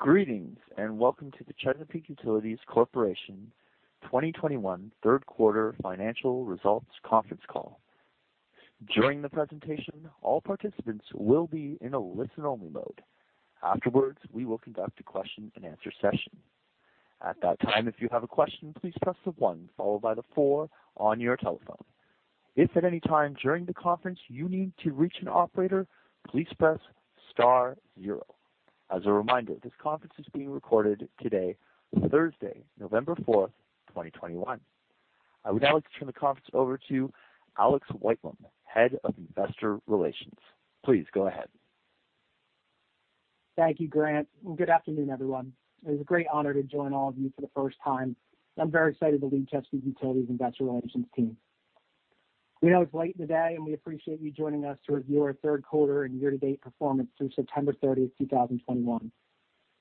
Greetings and welcome to the Chesapeake Utilities Corporation 2021 third quarter financial results conference call. During the presentation, all participants will be in a listen-only mode. Afterwards, we will conduct a question-and-answer session. At that time, if you have a question, please press the one followed by the four on your telephone. If at any time during the conference you need to reach an operator, please press star zero. As a reminder, this conference is being recorded today, Thursday, November 4th, 2021. I would now like to turn the conference over to Alex Whitelam, head of investor relations. Please go ahead. Thank you, Grant. And good afternoon, everyone. It is a great honor to join all of you for the first time. I'm very excited to lead Chesapeake Utilities' investor relations team. We know it's late in the day, and we appreciate you joining us to review our third quarter and year-to-date performance through September 30th, 2021.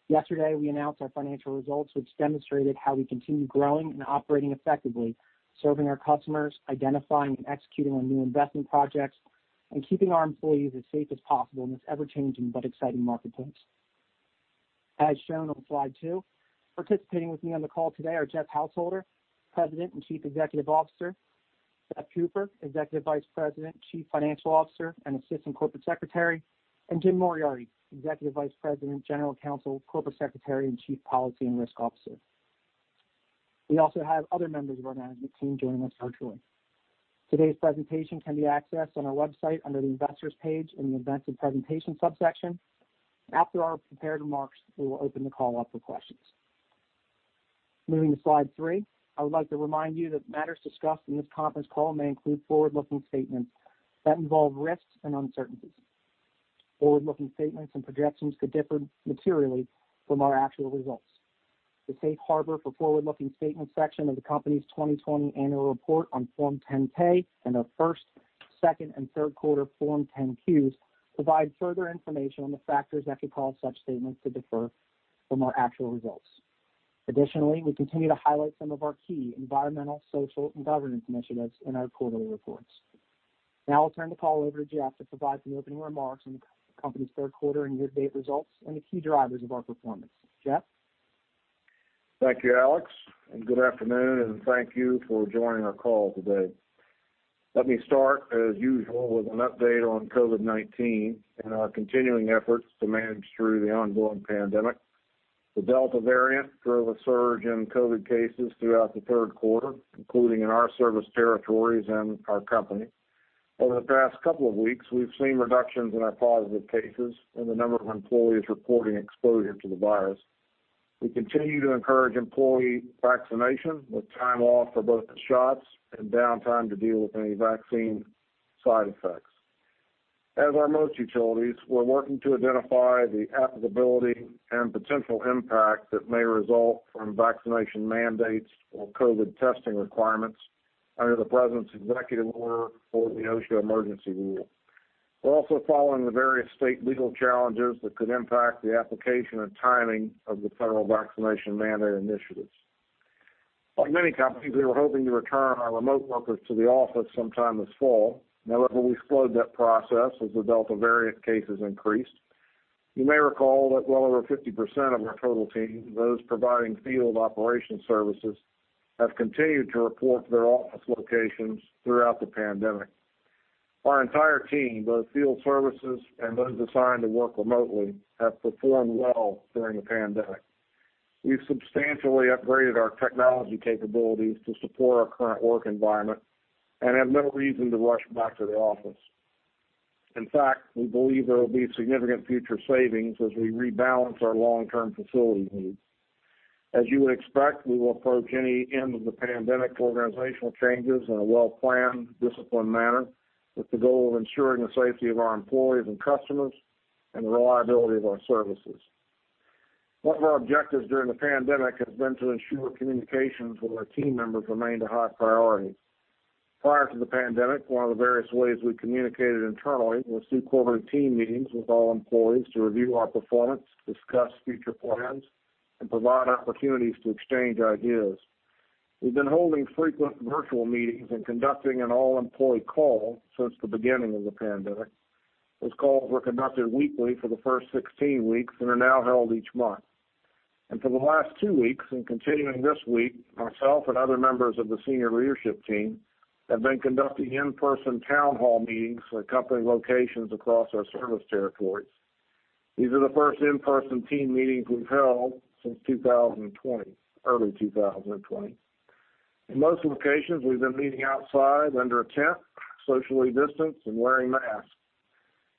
Yesterday, we announced our financial results, which demonstrated how we continue growing and operating effectively, serving our customers, identifying and executing on new investment projects, and keeping our employees as safe as possible in this ever-changing but exciting marketplace. As shown on slide two, participating with me on the call today are Jeff Householder, President and Chief Executive Officer, Beth Cooper, Executive Vice President, Chief Financial Officer and Assistant Corporate Secretary, and Jim Moriarty, Executive Vice President, General Counsel, Corporate Secretary, and Chief Policy and Risk Officer. We also have other members of our management team joining us virtually. Today's presentation can be accessed on our website under the investors page in the events and presentations subsection. After our prepared remarks, we will open the call up for questions. Moving to slide three, I would like to remind you that matters discussed in this conference call may include forward-looking statements that involve risks and uncertainties. Forward-looking statements and projections could differ materially from our actual results. The safe harbor for forward-looking statements section of the company's 2020 annual report on Form 10-K and our first, second, and third quarter Form 10-Qs provide further information on the factors that could cause such statements to differ from our actual results. Additionally, we continue to highlight some of our key environmental, social, and governance initiatives in our quarterly reports. Now I'll turn the call over to Jeff to provide some opening remarks on the company's third quarter and year-to-date results and the key drivers of our performance. Jeff? Thank you, Alex. And good afternoon, and thank you for joining our call today. Let me start, as usual, with an update on COVID-19 and our continuing efforts to manage through the ongoing pandemic. The Delta variant drove a surge in COVID cases throughout the third quarter, including in our service territories and our company. Over the past couple of weeks, we've seen reductions in our positive cases and the number of employees reporting exposure to the virus. We continue to encourage employee vaccination with time off for both the shots and downtime to deal with any vaccine side effects. As with most utilities, we're working to identify the applicability and potential impact that may result from vaccination mandates or COVID testing requirements under the president's executive order or the OSHA emergency rule. We're also following the various state legal challenges that could impact the application and timing of the federal vaccination mandate initiatives. Like many companies, we were hoping to return our remote workers to the office sometime this fall. However, we slowed that process as the Delta variant cases increased. You may recall that well over 50% of our total team, those providing field operation services, have continued to report to their office locations throughout the pandemic. Our entire team, both field services and those assigned to work remotely, have performed well during the pandemic. We've substantially upgraded our technology capabilities to support our current work environment and have no reason to rush back to the office. In fact, we believe there will be significant future savings as we rebalance our long-term facility needs. As you would expect, we will approach any end of the pandemic organizational changes in a well-planned, disciplined manner with the goal of ensuring the safety of our employees and customers and the reliability of our services. One of our objectives during the pandemic has been to ensure communications with our team members remain a high priority. Prior to the pandemic, one of the various ways we communicated internally was through quarterly team meetings with all employees to review our performance, discuss future plans, and provide opportunities to exchange ideas. We've been holding frequent virtual meetings and conducting an all-employee call since the beginning of the pandemic. Those calls were conducted weekly for the first 16 weeks and are now held each month. For the last two weeks and continuing this week, myself and other members of the senior leadership team have been conducting in-person town hall meetings at company locations across our service territories. These are the first in-person team meetings we've held since 2020, early 2020. In most locations, we've been meeting outside under a tent, socially distanced, and wearing masks.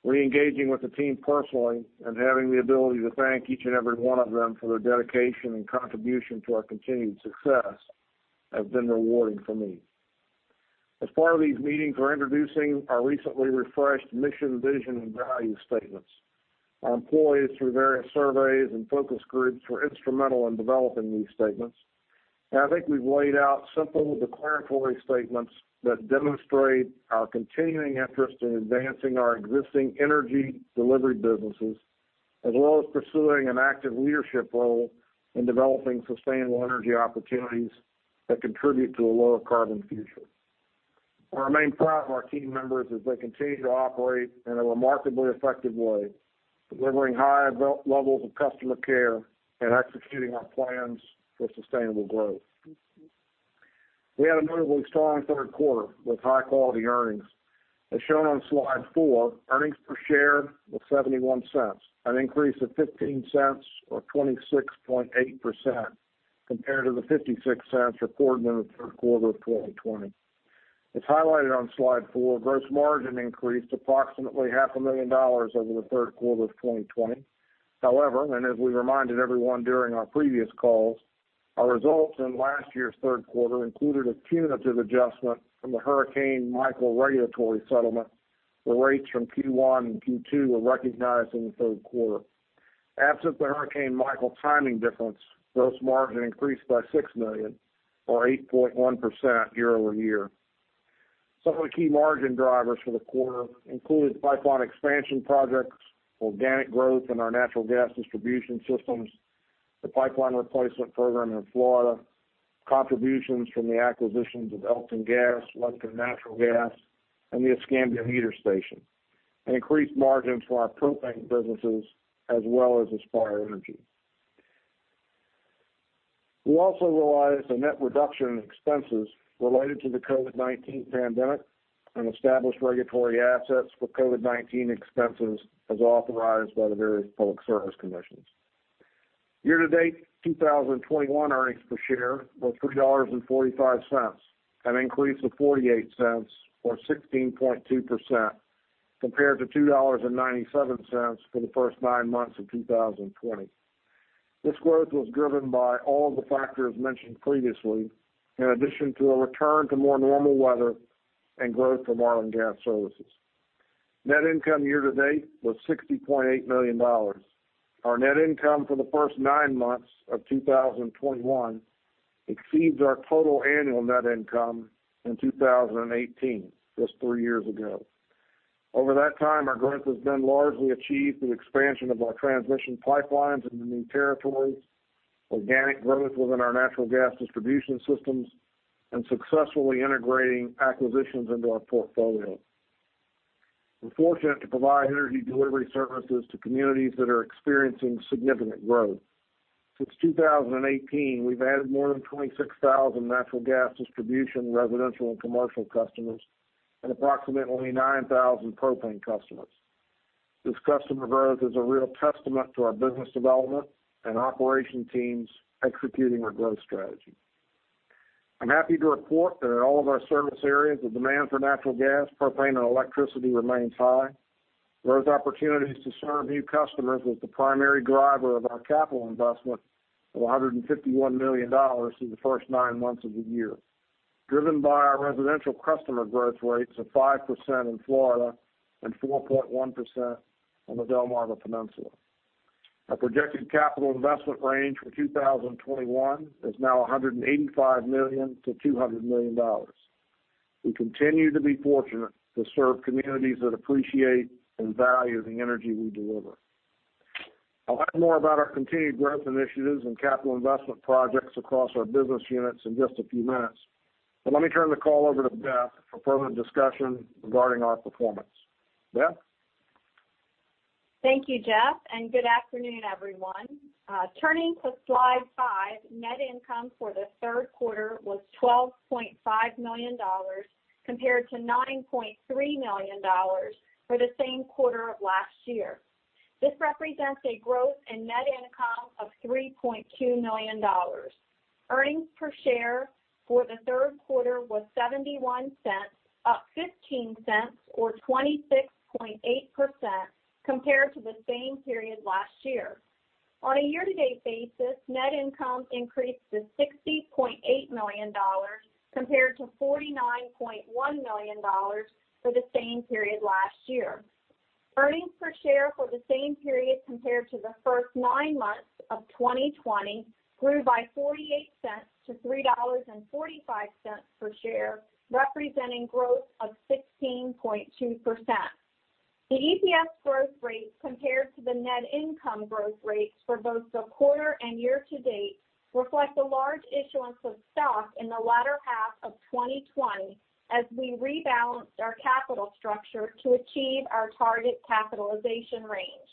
Re-engaging with the team personally and having the ability to thank each and every one of them for their dedication and contribution to our continued success has been rewarding for me. As part of these meetings, we're introducing our recently refreshed mission, vision, and value statements. Our employees, through various surveys and focus groups, were instrumental in developing these statements. I think we've laid out simple declaratory statements that demonstrate our continuing interest in advancing our existing energy delivery businesses as well as pursuing an active leadership role in developing sustainable energy opportunities that contribute to a lower carbon future. What I'm most proud of our team members is they continue to operate in a remarkably effective way, delivering high levels of customer care and executing our plans for sustainable growth. We had a notably strong third quarter with high-quality earnings. As shown on Slide 4, earnings per share was $0.71, an increase of $0.15 or 26.8% compared to the $0.56 reported in the third quarter of 2020. As highlighted on Slide 4, gross margin increased approximately $500,000 over the third quarter of 2020. However, and as we reminded everyone during our previous calls, our results in last year's third quarter included a cumulative adjustment from the Hurricane Michael regulatory settlement, where rates from Q1 and Q2 were recognized in the third quarter. Absent the Hurricane Michael timing difference, gross margin increased by $6 million, or 8.1% year-over-year. Some of the key margin drivers for the quarter included pipeline expansion projects, organic growth in our natural gas distribution systems, the pipeline replacement program in Florida, contributions from the acquisitions of Elkton Gas, Western Natural Gas, and the Escambia Meter Station, and increased margins for our propane businesses as well as Aspire Energy. We also realized a net reduction in expenses related to the COVID-19 pandemic and established regulatory assets for COVID-19 expenses as authorized by the various public service commissions. Year-to-date 2021 earnings per share were $3.45, an increase of 48 cents or 16.2% compared to $2.97 for the first nine months of 2020. This growth was driven by all of the factors mentioned previously, in addition to a return to more normal weather and growth for oil and gas services. Net income year-to-date was $60.8 million. Our net income for the first nine months of 2021 exceeds our total annual net income in 2018, just three years ago. Over that time, our growth has been largely achieved through expansion of our transmission pipelines in the new territories, organic growth within our natural gas distribution systems, and successfully integrating acquisitions into our portfolio. We're fortunate to provide energy delivery services to communities that are experiencing significant growth. Since 2018, we've added more than 26,000 natural gas distribution, residential, and commercial customers, and approximately 9,000 propane customers. This customer growth is a real testament to our business development and operation teams executing our growth strategy. I'm happy to report that in all of our service areas, the demand for natural gas, propane, and electricity remains high. Growth opportunities to serve new customers was the primary driver of our capital investment of $151 million through the first nine months of the year, driven by our residential customer growth rates of 5% in Florida and 4.1% on the Delmarva Peninsula. Our projected capital investment range for 2021 is now $185 million-$200 million. We continue to be fortunate to serve communities that appreciate and value the energy we deliver. I'll have more about our continued growth initiatives and capital investment projects across our business units in just a few minutes. But let me turn the call over to Beth for further discussion regarding our performance. Beth? Thank you, Jeff. Good afternoon, everyone. Turning to Slide 5, net income for the third quarter was $12.5 million compared to $9.3 million for the same quarter of last year. This represents a growth in net income of $3.2 million. Earnings per share for the third quarter was $0.71, up $0.15 or 26.8% compared to the same period last year. On a year-to-date basis, net income increased to $60.8 million compared to $49.1 million for the same period last year. Earnings per share for the same period compared to the first nine months of 2020 grew by $0.48 to $3.45 per share, representing growth of 16.2%. The EPS growth rates compared to the net income growth rates for both the quarter and year-to-date reflect a large issuance of stock in the latter half of 2020 as we rebalanced our capital structure to achieve our target capitalization range.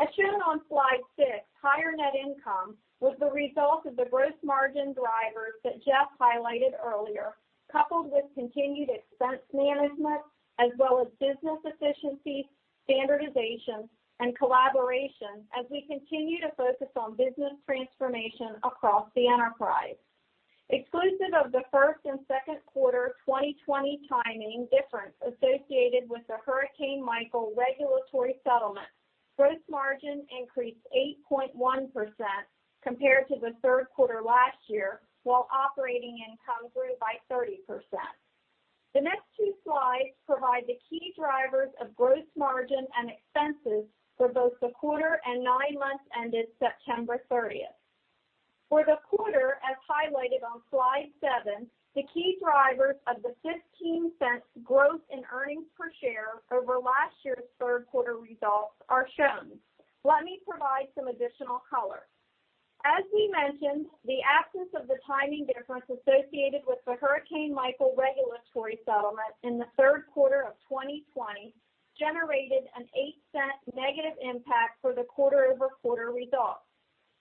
As shown on Slide 6, higher net income was the result of the gross margin drivers that Jeff highlighted earlier, coupled with continued expense management as well as business efficiency, standardization, and collaboration as we continue to focus on business transformation across the enterprise. Exclusive of the first and second quarter 2020 timing difference associated with the Hurricane Michael regulatory settlement, gross margin increased 8.1% compared to the third quarter last year while operating income grew by 30%. The next two slides provide the key drivers of gross margin and expenses for both the quarter and nine months ended September 30th. For the quarter, as highlighted on Slide 7, the key drivers of the $0.15 growth in earnings per share over last year's third quarter results are shown. Let me provide some additional color. As we mentioned, the absence of the timing difference associated with the Hurricane Michael regulatory settlement in the third quarter of 2020 generated an $0.08 negative impact for the quarter-over-quarter results.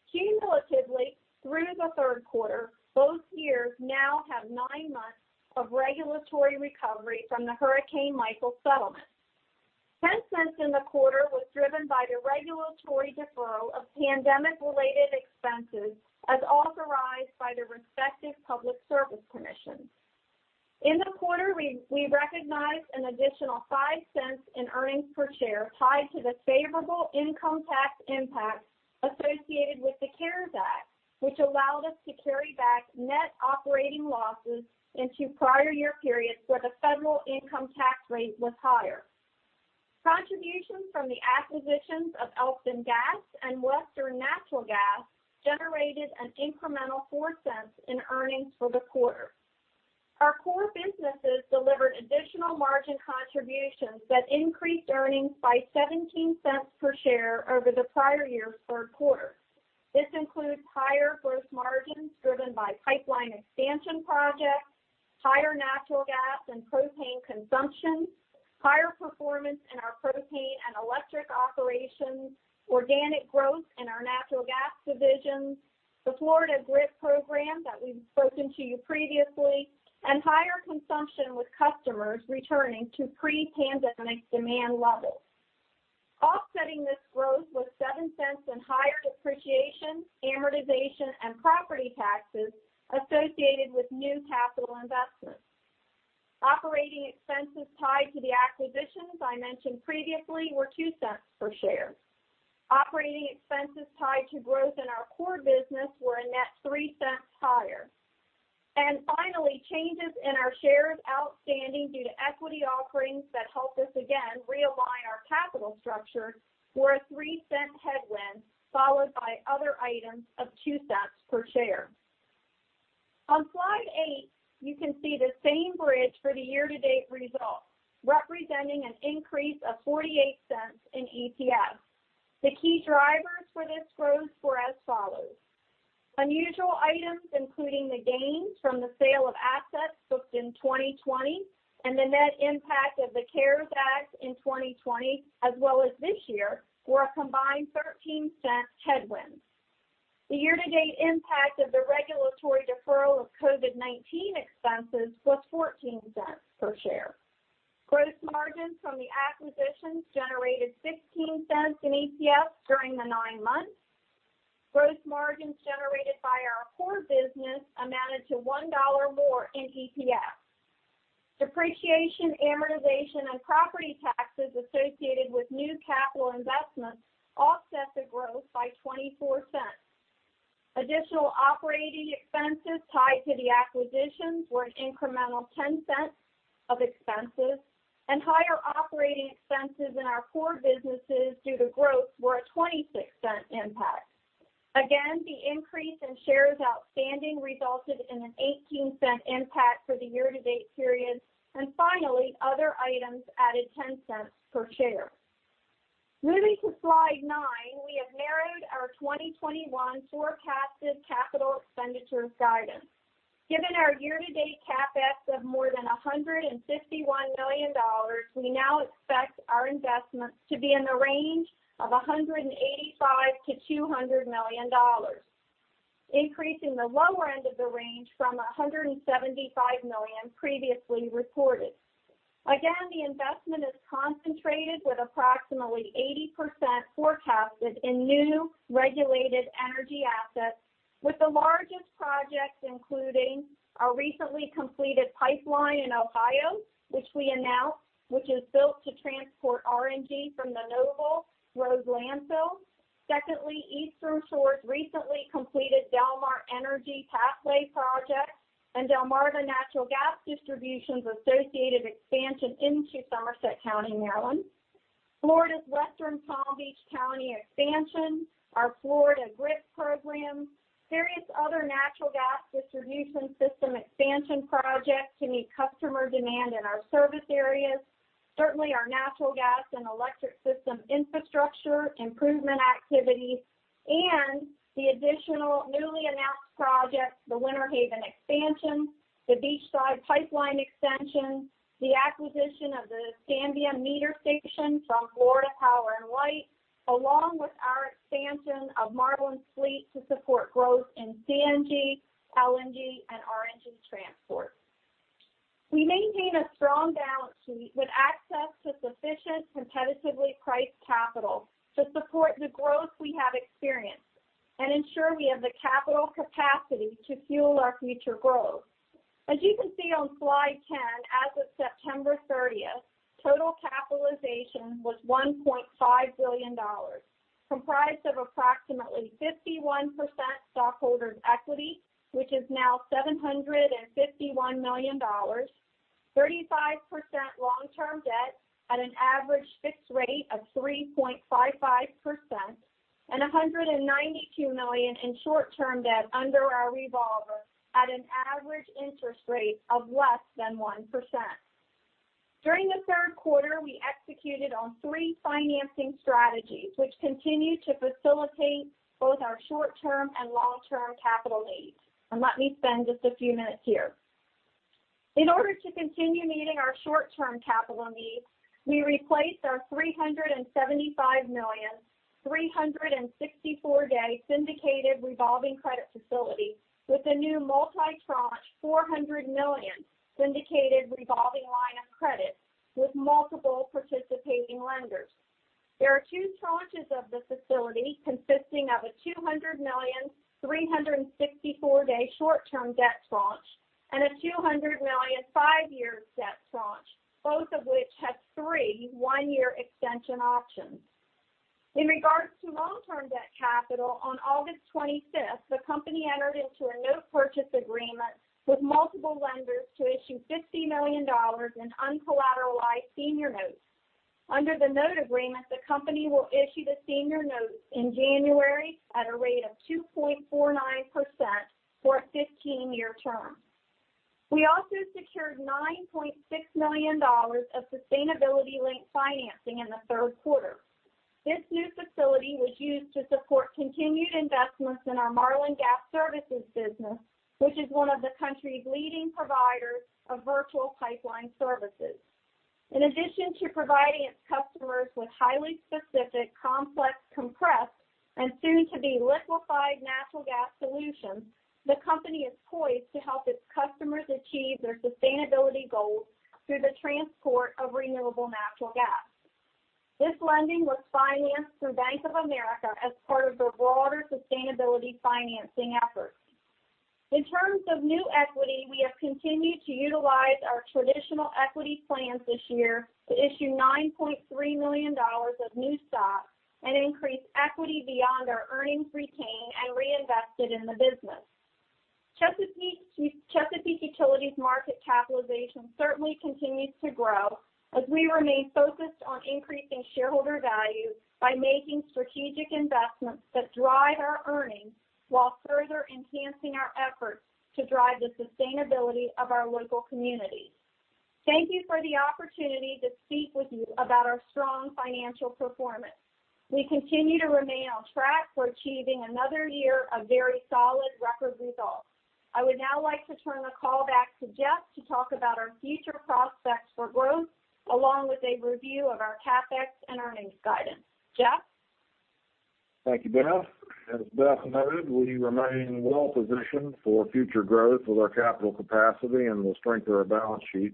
Cumulatively, through the third quarter, both years now have nine months of regulatory recovery from the Hurricane Michael settlement. $0.10 in the quarter was driven by the regulatory deferral of pandemic-related expenses as authorized by the respective public service commissions. In the quarter, we recognized an additional $0.05 in earnings per share tied to the favorable income tax impact associated with the CARES Act, which allowed us to carry back net operating losses into prior year periods where the federal income tax rate was higher. Contributions from the acquisitions of Elkton Gas and Western Natural Gas generated an incremental $0.04 in earnings for the quarter. Our core businesses delivered additional margin contributions that increased earnings by $0.17 per share over the prior year's third quarter. This includes higher gross margins driven by pipeline expansion projects, higher natural gas and propane consumption, higher performance in our propane and electric operations, organic growth in our natural gas divisions, the Florida GRIP program that we've spoken to you previously, and higher consumption with customers returning to pre-pandemic demand levels. Offsetting this growth was $0.07 in higher depreciation, amortization, and property taxes associated with new capital investments. Operating expenses tied to the acquisitions I mentioned previously were $0.02 per share. Operating expenses tied to growth in our core business were a net $0.03 higher. And finally, changes in our shares outstanding due to equity offerings that helped us, again, realign our capital structure were a $0.03 headwind followed by other items of $0.02 per share. On Slide 8, you can see the same bridge for the year-to-date results, representing an increase of $0.48 in EPS. The key drivers for this growth were as follows: unusual items, including the gains from the sale of assets booked in 2020 and the net impact of the CARES Act in 2020 as well as this year, were a combined $0.13 headwind. The year-to-date impact of the regulatory deferral of COVID-19 expenses was $0.14 per share. Gross margins from the acquisitions generated $0.16 in EPS during the nine months. Gross margins generated by our core business amounted to $1 more in EPS. Depreciation, amortization, and property taxes associated with new capital investments offset the growth by $0.24. Additional operating expenses tied to the acquisitions were an incremental $0.10 of expenses, and higher operating expenses in our core businesses due to growth were a $0.26 impact. Again, the increase in shares outstanding resulted in a $0.18 impact for the year-to-date period, and finally, other items added $0.10 per share. Moving to Slide 9, we have narrowed our 2021 forecasted capital expenditure guidance. Given our year-to-date CapEx of more than $151 million, we now expect our investments to be in the range of $185-$200 million, increasing the lower end of the range from $175 million previously reported. Again, the investment is concentrated with approximately 80% forecasted in new regulated energy assets, with the largest projects including our recently completed pipeline in Ohio, which we announced, which is built to transport RNG from the Noble Road Landfill. Secondly, Eastern Shore's recently completed Delmar Energy Pathway project and Delmarva Natural Gas Distribution's associated expansion into Somerset County, Maryland. Florida's Western Palm Beach County expansion, our Florida GRIP program, various other natural gas distribution system expansion projects to meet customer demand in our service areas, certainly our natural gas and electric system infrastructure improvement activities, and the additional newly announced projects, the Winter Haven expansion, the Beachside Pipeline extension, the acquisition of the Escambia Meter Station from Florida Power & Light, along with our expansion of Marlin Fleet to support growth in CNG, LNG, and RNG transport. We maintain a strong balance sheet with access to sufficient competitively priced capital to support the growth we have experienced and ensure we have the capital capacity to fuel our future growth. As you can see on Slide 10, as of September 30th, total capitalization was $1.5 billion, comprised of approximately 51% stockholders' equity, which is now $751 million, 35% long-term debt at an average fixed rate of 3.55%, and $192 million in short-term debt under our revolver at an average interest rate of less than 1%. During the third quarter, we executed on three financing strategies, which continue to facilitate both our short-term and long-term capital needs, and let me spend just a few minutes here. In order to continue meeting our short-term capital needs, we replaced our $375 million, 364-day syndicated revolving credit facility with a new multi-tranche $400 million syndicated revolving line of credit with multiple participating lenders. There are two tranches of the facility consisting of a $200 million, 364-day short-term debt tranche, and a $200 million, five-year debt tranche, both of which have three one-year extension options. In regards to long-term debt capital, on August 25th, the company entered into a note purchase agreement with multiple lenders to issue $50 million in uncollateralized senior notes. Under the note agreement, the company will issue the senior notes in January at a rate of 2.49% for a 15-year term. We also secured $9.6 million of sustainability-linked financing in the third quarter. This new facility was used to support continued investments in our Marlin Gas Services business, which is one of the country's leading providers of virtual pipeline services. In addition to providing its customers with highly specific, complex, compressed, and soon-to-be liquefied natural gas solutions, the company is poised to help its customers achieve their sustainability goals through the transport of renewable natural gas. This lending was financed through Bank of America as part of the broader sustainability financing effort. In terms of new equity, we have continued to utilize our traditional equity plans this year to issue $9.3 million of new stock and increase equity beyond our earnings retained and reinvested in the business. Chesapeake Utilities' market capitalization certainly continues to grow as we remain focused on increasing shareholder value by making strategic investments that drive our earnings while further enhancing our efforts to drive the sustainability of our local communities. Thank you for the opportunity to speak with you about our strong financial performance. We continue to remain on track for achieving another year of very solid record results. I would now like to turn the call back to Jeff to talk about our future prospects for growth along with a review of our CapEx and earnings guidance. Jeff? Thank you, Beth. As Beth noted, we remain well-positioned for future growth with our capital capacity and the strength of our balance sheet.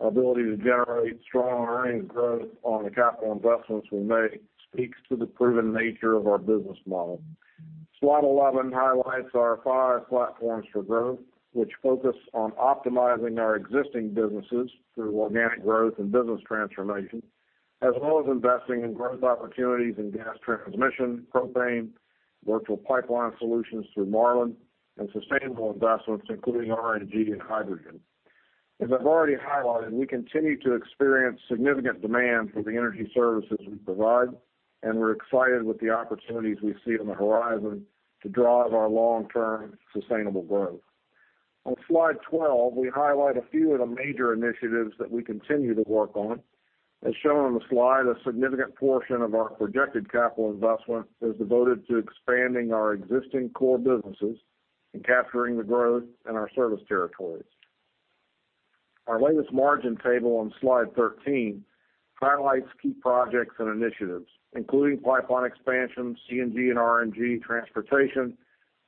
Our ability to generate strong earnings growth on the capital investments we make speaks to the proven nature of our business model. Slide 11 highlights our five platforms for growth, which focus on optimizing our existing businesses through organic growth and business transformation, as well as investing in growth opportunities in gas transmission, propane, virtual pipeline solutions through Marlin, and sustainable investments, including RNG and hydrogen. As I've already highlighted, we continue to experience significant demand for the energy services we provide, and we're excited with the opportunities we see on the horizon to drive our long-term sustainable growth. On Slide 12, we highlight a few of the major initiatives that we continue to work on. As shown on the slide, a significant portion of our projected capital investment is devoted to expanding our existing core businesses and capturing the growth in our service territories. Our latest margin table on Slide 13 highlights key projects and initiatives, including pipeline expansion, CNG and RNG, transportation,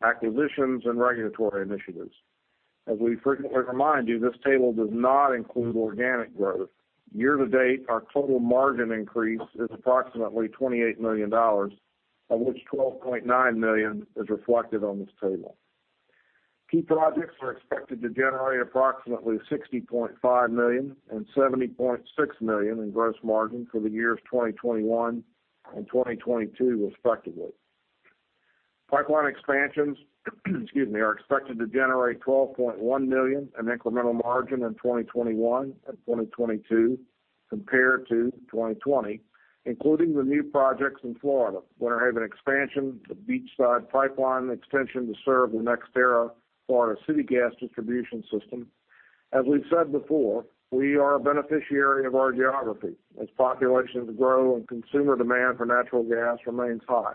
acquisitions, and regulatory initiatives. As we frequently remind you, this table does not include organic growth. Year-to-date, our total margin increase is approximately $28 million, of which $12.9 million is reflected on this table. Key projects are expected to generate approximately $60.5 million and $70.6 million in gross margin for the years 2021 and 2022, respectively. Pipeline expansions, excuse me, are expected to generate $12.1 million in incremental margin in 2021 and 2022 compared to 2020, including the new projects in Florida: Winter Haven expansion, the Beachside Pipeline extension to serve the NextEra Florida City Gas Distribution System. As we've said before, we are a beneficiary of our geography as populations grow and consumer demand for natural gas remains high.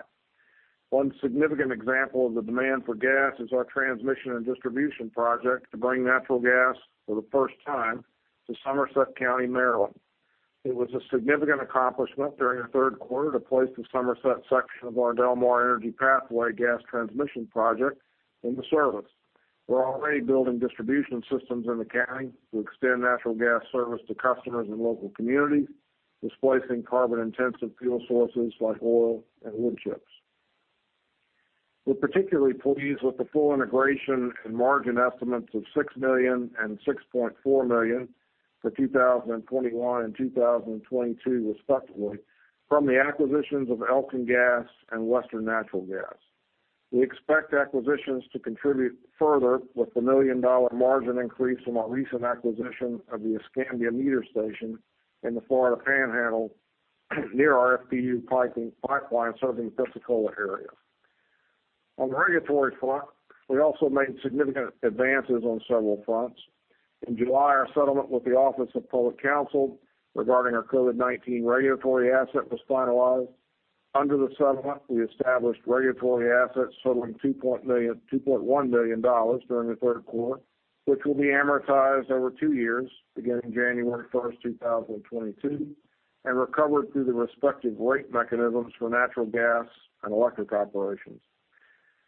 One significant example of the demand for gas is our transmission and distribution project to bring natural gas for the first time to Somerset County, Maryland. It was a significant accomplishment during the third quarter to place the Somerset section of our Delmar Energy Pathway gas transmission project into service. We're already building distribution systems in the county to extend natural gas service to customers and local communities, displacing carbon-intensive fuel sources like oil and wood chips. We're particularly pleased with the full integration and margin estimates of $6 million and $6.4 million for 2021 and 2022, respectively, from the acquisitions of Elkton Gas and Western Natural Gas. We expect acquisitions to contribute further with the million-dollar margin increase from our recent acquisition of the Escambia Meter Station in the Florida Panhandle near our FPU pipeline serving Pensacola area. On the regulatory front, we also made significant advances on several fronts. In July, our settlement with the Office of People's Counsel regarding our COVID-19 regulatory asset was finalized. Under the settlement, we established regulatory assets totaling $2.1 million during the third quarter, which will be amortized over two years, beginning January 1st, 2022, and recovered through the respective rate mechanisms for natural gas and electric operations.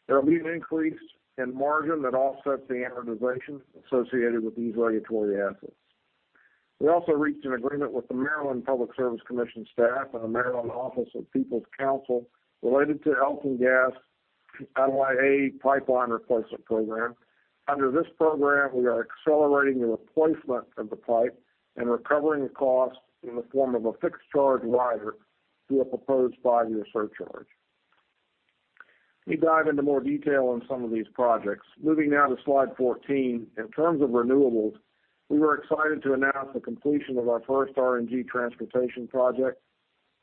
There will be an increase in margin that offsets the amortization associated with these regulatory assets. We also reached an agreement with the Maryland Public Service Commission staff and the Maryland Office of People's Counsel related to Elkton Gas' Aldyl-A Pipeline Replacement Program. Under this program, we are accelerating the replacement of the pipe and recovering the cost in the form of a fixed charge rider through a proposed five-year surcharge. Let me dive into more detail on some of these projects. Moving now to Slide 14, in terms of renewables, we were excited to announce the completion of our first RNG transportation project.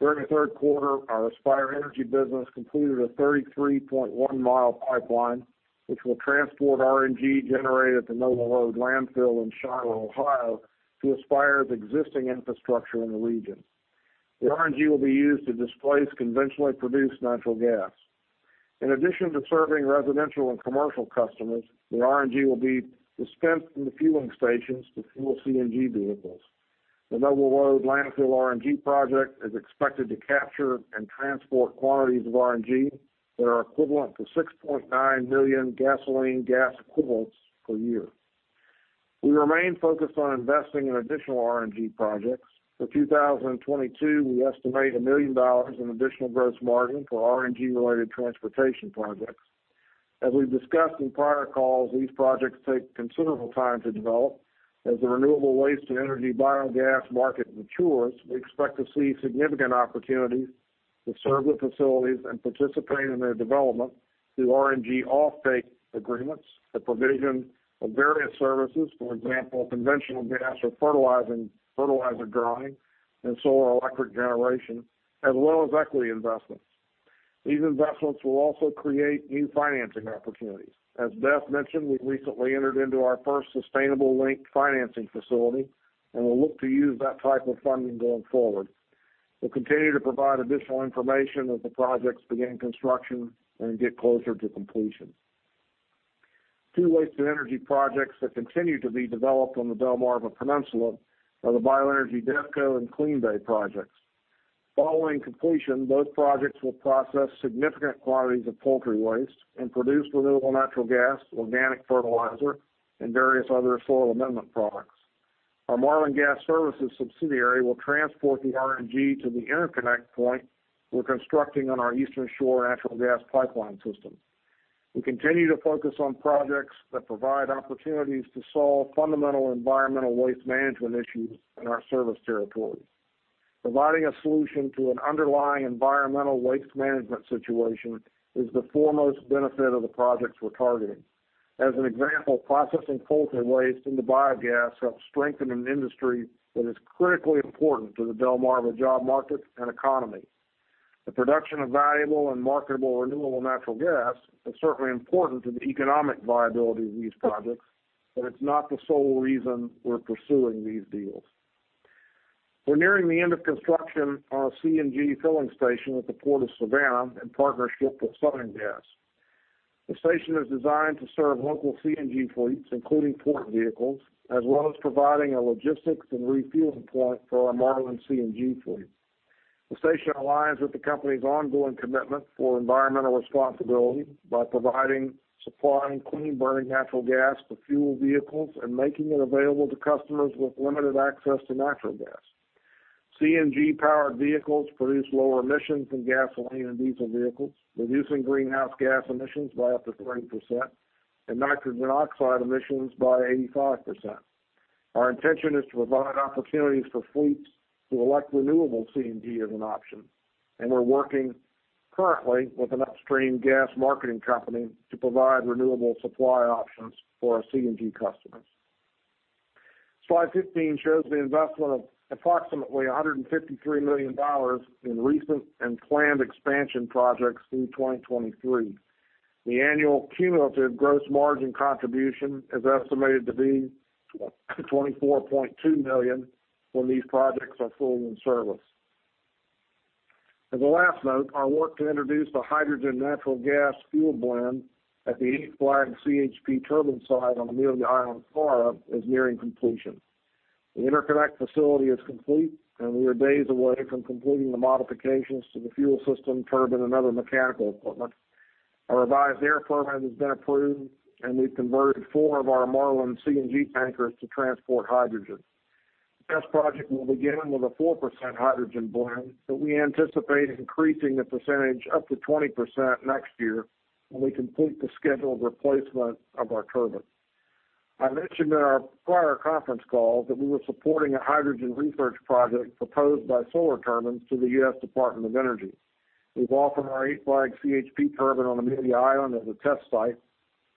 During the third quarter, our Aspire Energy business completed a 33.1-mile pipeline, which will transport RNG generated at the Noble Road Landfill in Shiloh, Ohio, to Aspire's existing infrastructure in the region. The RNG will be used to displace conventionally produced natural gas. In addition to serving residential and commercial customers, the RNG will be dispensed from the fueling stations to fuel CNG vehicles. The Noble Road Landfill RNG project is expected to capture and transport quantities of RNG that are equivalent to $6.9 million gasoline gallon equivalents per year. We remain focused on investing in additional RNG projects. For 2022, we estimate $1 million in additional gross margin for RNG-related transportation projects. As we've discussed in prior calls, these projects take considerable time to develop. As the renewable waste-to-energy biogas market matures, we expect to see significant opportunities to serve the facilities and participate in their development through RNG offtake agreements that provision various services, for example, conventional gas or fertilizer drying and solar electric generation, as well as equity investments. These investments will also create new financing opportunities. As Beth mentioned, we recently entered into our first sustainability-linked financing facility and will look to use that type of funding going forward. We'll continue to provide additional information as the projects begin construction and get closer to completion. Two waste-to-energy projects that continue to be developed on the Delmarva Peninsula are the Bioenergy Devco and CleanBay Renewables projects. Following completion, both projects will process significant quantities of poultry waste and produce renewable natural gas, organic fertilizer, and various other soil amendment products. Our Marlin Gas Services subsidiary will transport the RNG to the interconnect point we're constructing on our Eastern Shore natural gas pipeline system. We continue to focus on projects that provide opportunities to solve fundamental environmental waste management issues in our service territory. Providing a solution to an underlying environmental waste management situation is the foremost benefit of the projects we're targeting. As an example, processing poultry waste into biogas helps strengthen an industry that is critically important to the Delmarva job market and economy. The production of valuable and marketable renewable natural gas is certainly important to the economic viability of these projects, but it's not the sole reason we're pursuing these deals. We're nearing the end of construction on a CNG filling station at the Port of Savannah in partnership with Southern Company Gas. The station is designed to serve local CNG fleets, including port vehicles, as well as providing a logistics and refueling point for our Marlin CNG fleet. The station aligns with the company's ongoing commitment for environmental responsibility by providing, supplying, clean-burning natural gas for fuel vehicles and making it available to customers with limited access to natural gas. CNG-powered vehicles produce lower emissions than gasoline and diesel vehicles, reducing greenhouse gas emissions by up to 30% and nitrogen oxide emissions by 85%. Our intention is to provide opportunities for fleets to elect renewable CNG as an option, and we're working currently with an upstream gas marketing company to provide renewable supply options for our CNG customers. Slide 15 shows the investment of approximately $153 million in recent and planned expansion projects through 2023. The annual cumulative gross margin contribution is estimated to be $24.2 million when these projects are fully in service. As a last note, our work to introduce the hydrogen-natural gas fuel blend at the Eight Flags CHP Turbine site on Amelia Island, Florida, is nearing completion. The interconnect facility is complete, and we are days away from completing the modifications to the fuel system, turbine, and other mechanical equipment. A revised air permit has been approved, and we've converted four of our Marlin CNG tankers to transport hydrogen. The test project will begin with a 4% hydrogen blend, but we anticipate increasing the percentage up to 20% next year when we complete the scheduled replacement of our turbine. I mentioned in our prior conference call that we were supporting a hydrogen research project proposed by Solar Turbines to the U.S. Department of Energy. We've offered our Eight Flags CHP turbine on Amelia Island as a test site,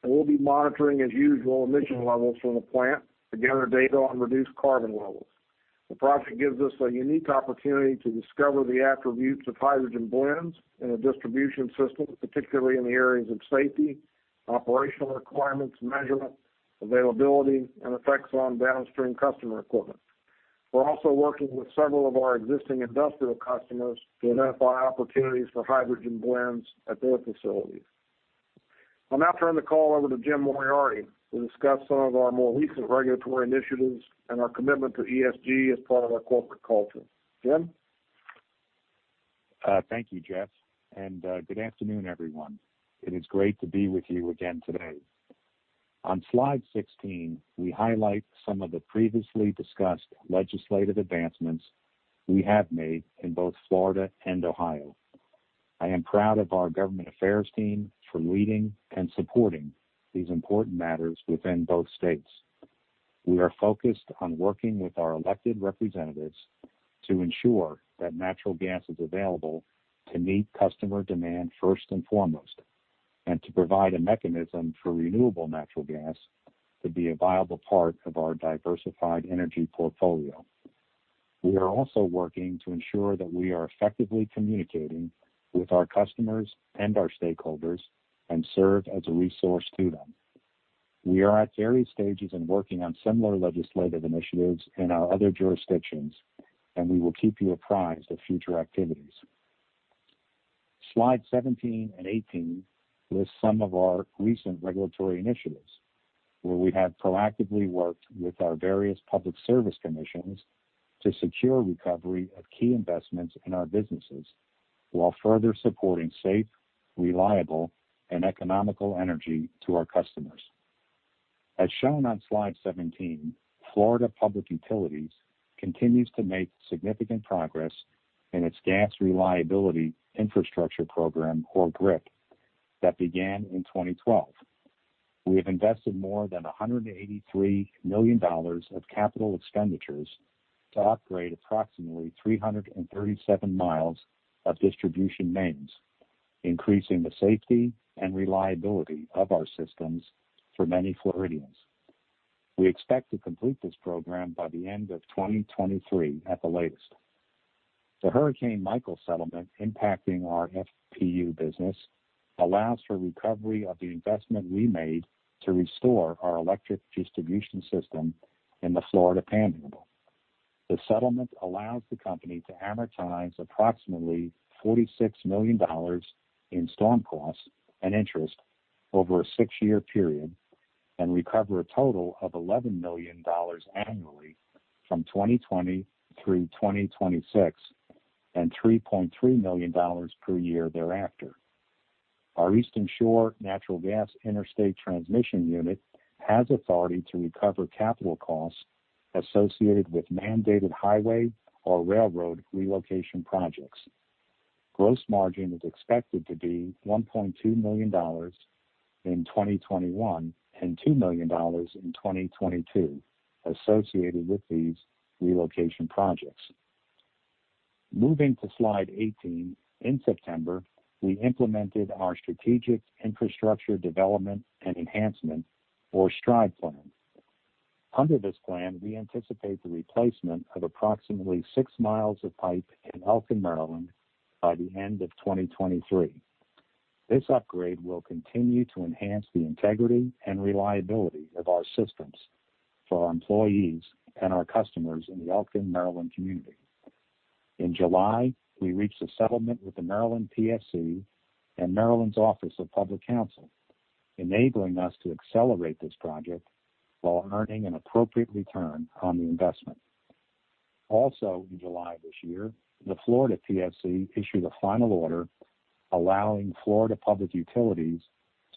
and we'll be monitoring, as usual, emission levels from the plant to gather data on reduced carbon levels. The project gives us a unique opportunity to discover the attributes of hydrogen blends in a distribution system, particularly in the areas of safety, operational requirements, measurement, availability, and effects on downstream customer equipment. We're also working with several of our existing industrial customers to identify opportunities for hydrogen blends at their facilities. I'm now turning the call over to Jim Moriarty to discuss some of our more recent regulatory initiatives and our commitment to ESG as part of our corporate culture. Jim? Thank you, Jeff, and good afternoon, everyone. It is great to be with you again today. On Slide 16, we highlight some of the previously discussed legislative advancements we have made in both Florida and Ohio. I am proud of our government affairs team for leading and supporting these important matters within both states. We are focused on working with our elected representatives to ensure that natural gas is available to meet customer demand first and foremost and to provide a mechanism for renewable natural gas to be a viable part of our diversified energy portfolio. We are also working to ensure that we are effectively communicating with our customers and our stakeholders and serve as a resource to them. We are at various stages in working on similar legislative initiatives in our other jurisdictions, and we will keep you apprised of future activities. Slide 17 and 18 list some of our recent regulatory initiatives where we have proactively worked with our various public service commissions to secure recovery of key investments in our businesses while further supporting safe, reliable, and economical energy to our customers. As shown on Slide 17, Florida Public Utilities continues to make significant progress in its gas reliability infrastructure program, or GRIP, that began in 2012. We have invested more than $183 million of capital expenditures to upgrade approximately 337 miles of distribution mains, increasing the safety and reliability of our systems for many Floridians. We expect to complete this program by the end of 2023 at the latest. The Hurricane Michael settlement impacting our FPU business allows for recovery of the investment we made to restore our electric distribution system in the Florida Panhandle. The settlement allows the company to amortize approximately $46 million in storm costs and interest over a six-year period and recover a total of $11 million annually from 2020 through 2026 and $3.3 million per year thereafter. Our Eastern Shore Natural Gas Interstate Transmission Unit has authority to recover capital costs associated with mandated highway or railroad relocation projects. Gross margin is expected to be $1.2 million in 2021 and $2 million in 2022 associated with these relocation projects. Moving to Slide 18, in September, we implemented our Strategic Infrastructure Development and Enhancement, or STRIDE plan. Under this plan, we anticipate the replacement of approximately six miles of pipe in Elkton, Maryland, by the end of 2023. This upgrade will continue to enhance the integrity and reliability of our systems for our employees and our customers in the Elkton, Maryland community. In July, we reached a settlement with the Maryland PSC and Maryland's Office of People's Counsel, enabling us to accelerate this project while earning an appropriate return on the investment. Also, in July of this year, the Florida PSC issued a final order allowing Florida Public Utilities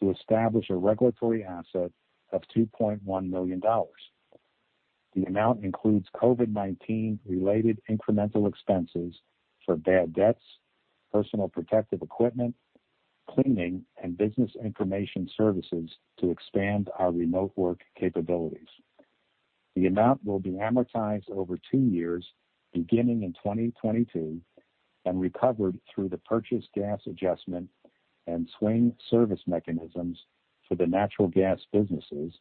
to establish a regulatory asset of $2.1 million. The amount includes COVID-19-related incremental expenses for bad debts, personal protective equipment, cleaning, and business information services to expand our remote work capabilities. The amount will be amortized over two years, beginning in 2022, and recovered through the purchase gas adjustment and swing service mechanisms for the natural gas businesses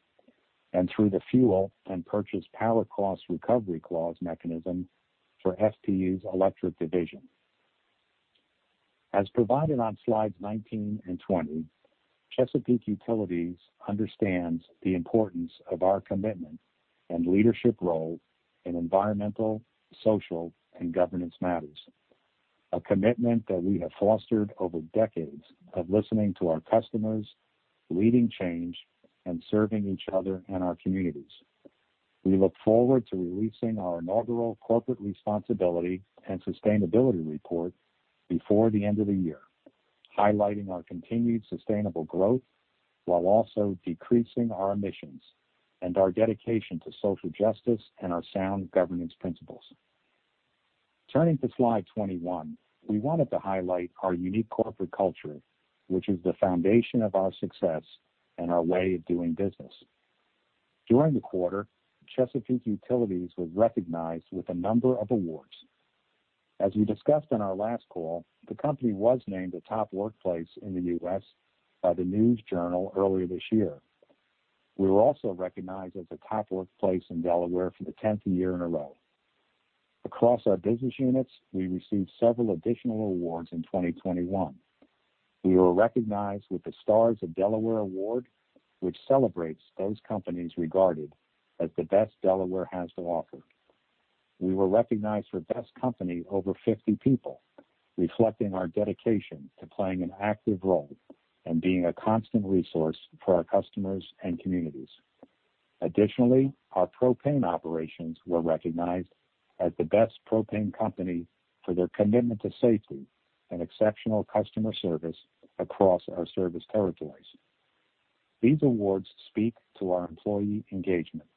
and through the fuel and purchase power cost recovery clause mechanism for FPU's electric division. As provided on Slides 19 and 20, Chesapeake Utilities understands the importance of our commitment and leadership role in environmental, social, and governance matters, a commitment that we have fostered over decades of listening to our customers, leading change, and serving each other and our communities. We look forward to releasing our inaugural corporate responsibility and sustainability report before the end of the year, highlighting our continued sustainable growth while also decreasing our emissions and our dedication to social justice and our sound governance principles. Turning to Slide 21, we wanted to highlight our unique corporate culture, which is the foundation of our success and our way of doing business. During the quarter, Chesapeake Utilities was recognized with a number of awards. As we discussed in our last call, the company was named a top workplace in the U.S. by The News Journal earlier this year. We were also recognized as a top workplace in Delaware for the 10th year in a row. Across our business units, we received several additional awards in 2021. We were recognized with the Stars of Delaware Award, which celebrates those companies regarded as the best Delaware has to offer. We were recognized for Best Company over 50 people, reflecting our dedication to playing an active role and being a constant resource for our customers and communities. Additionally, our propane operations were recognized as the Best Propane Company for their commitment to safety and exceptional customer service across our service territories. These awards speak to our employee engagement,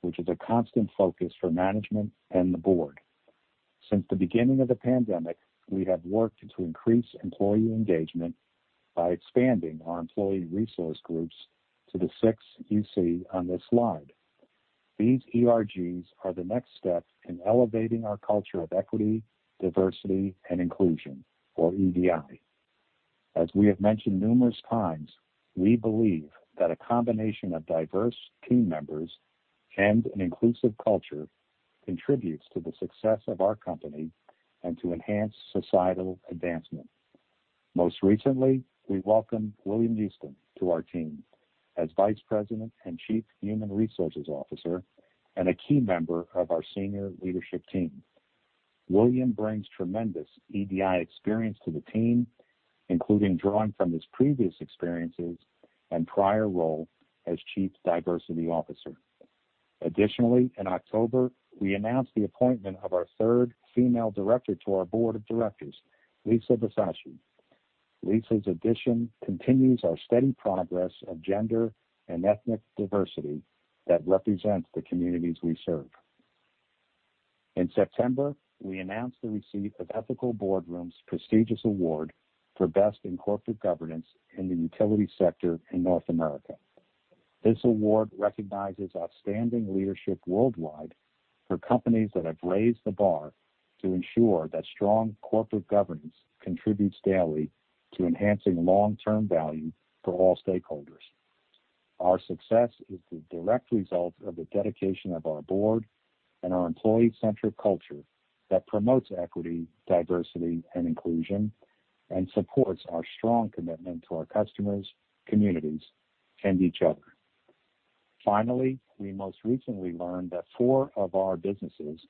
which is a constant focus for management and the board. Since the beginning of the pandemic, we have worked to increase employee engagement by expanding our employee resource groups to the six you see on this slide. These ERGs are the next step in elevating our culture of equity, diversity, and inclusion, or EDI. As we have mentioned numerous times, we believe that a combination of diverse team members and an inclusive culture contributes to the success of our company and to enhanced societal advancement. Most recently, we welcomed William Nusbaum to our team as Vice President and Chief Human Resources Officer and a key member of our senior leadership team. William brings tremendous EDI experience to the team, including drawing from his previous experiences and prior role as Chief Diversity Officer. Additionally, in October, we announced the appointment of our third female director to our board of directors, Lisa Bisaccia. Lisa's addition continues our steady progress of gender and ethnic diversity that represents the communities we serve. In September, we announced the receipt of Ethical Boardroom's prestigious award for Best in Corporate Governance in the utility sector in North America. This award recognizes outstanding leadership worldwide for companies that have raised the bar to ensure that strong corporate governance contributes daily to enhancing long-term value for all stakeholders. Our success is the direct result of the dedication of our board and our employee-centered culture that promotes equity, diversity, and inclusion, and supports our strong commitment to our customers, communities, and each other. Finally, we most recently learned that four of our businesses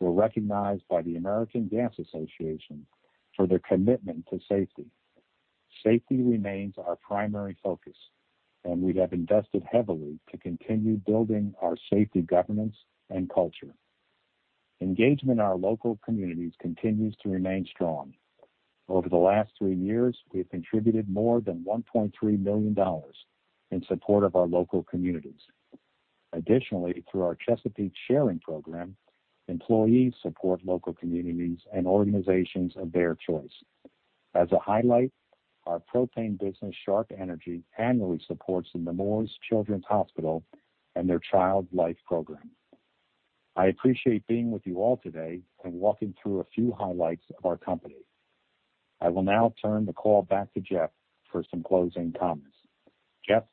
were recognized by the American Gas Association for their commitment to safety. Safety remains our primary focus, and we have invested heavily to continue building our safety governance and culture. Engagement in our local communities continues to remain strong. Over the last three years, we have contributed more than $1.3 million in support of our local communities. Additionally, through our Chesapeake Sharing Program, employees support local communities and organizations of their choice. As a highlight, our propane business, Sharp Energy, annually supports the Nemours Children's Hospital and their Child Life Program. I appreciate being with you all today and walking through a few highlights of our company. I will now turn the call back to Jeff for some closing comments. Jeff?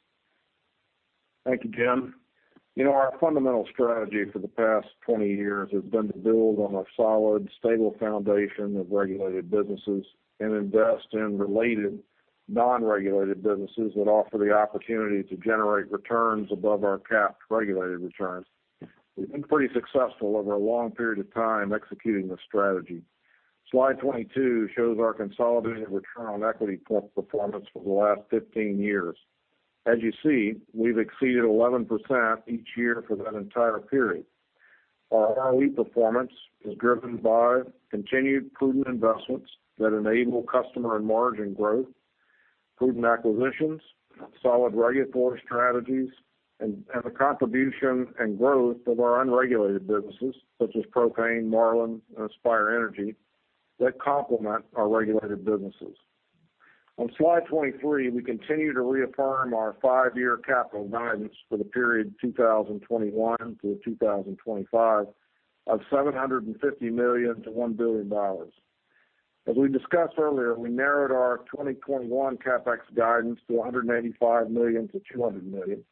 Thank you, Jim. You know, our fundamental strategy for the past 20 years has been to build on a solid, stable foundation of regulated businesses and invest in related non-regulated businesses that offer the opportunity to generate returns above our capped regulated returns. We've been pretty successful over a long period of time executing this strategy. Slide 22 shows our consolidated return on equity performance for the last 15 years. As you see, we've exceeded 11% each year for that entire period. Our ROE performance is driven by continued prudent investments that enable customer and margin growth, prudent acquisitions, solid regulatory strategies, and the contribution and growth of our unregulated businesses, such as Propane, Marlin, and Aspire Energy, that complement our regulated businesses. On Slide 23, we continue to reaffirm our five-year capital guidance for the period 2021 to 2025 of $750 million-$1 billion. As we discussed earlier, we narrowed our 2021 CapEx guidance to $185 million-$200 million.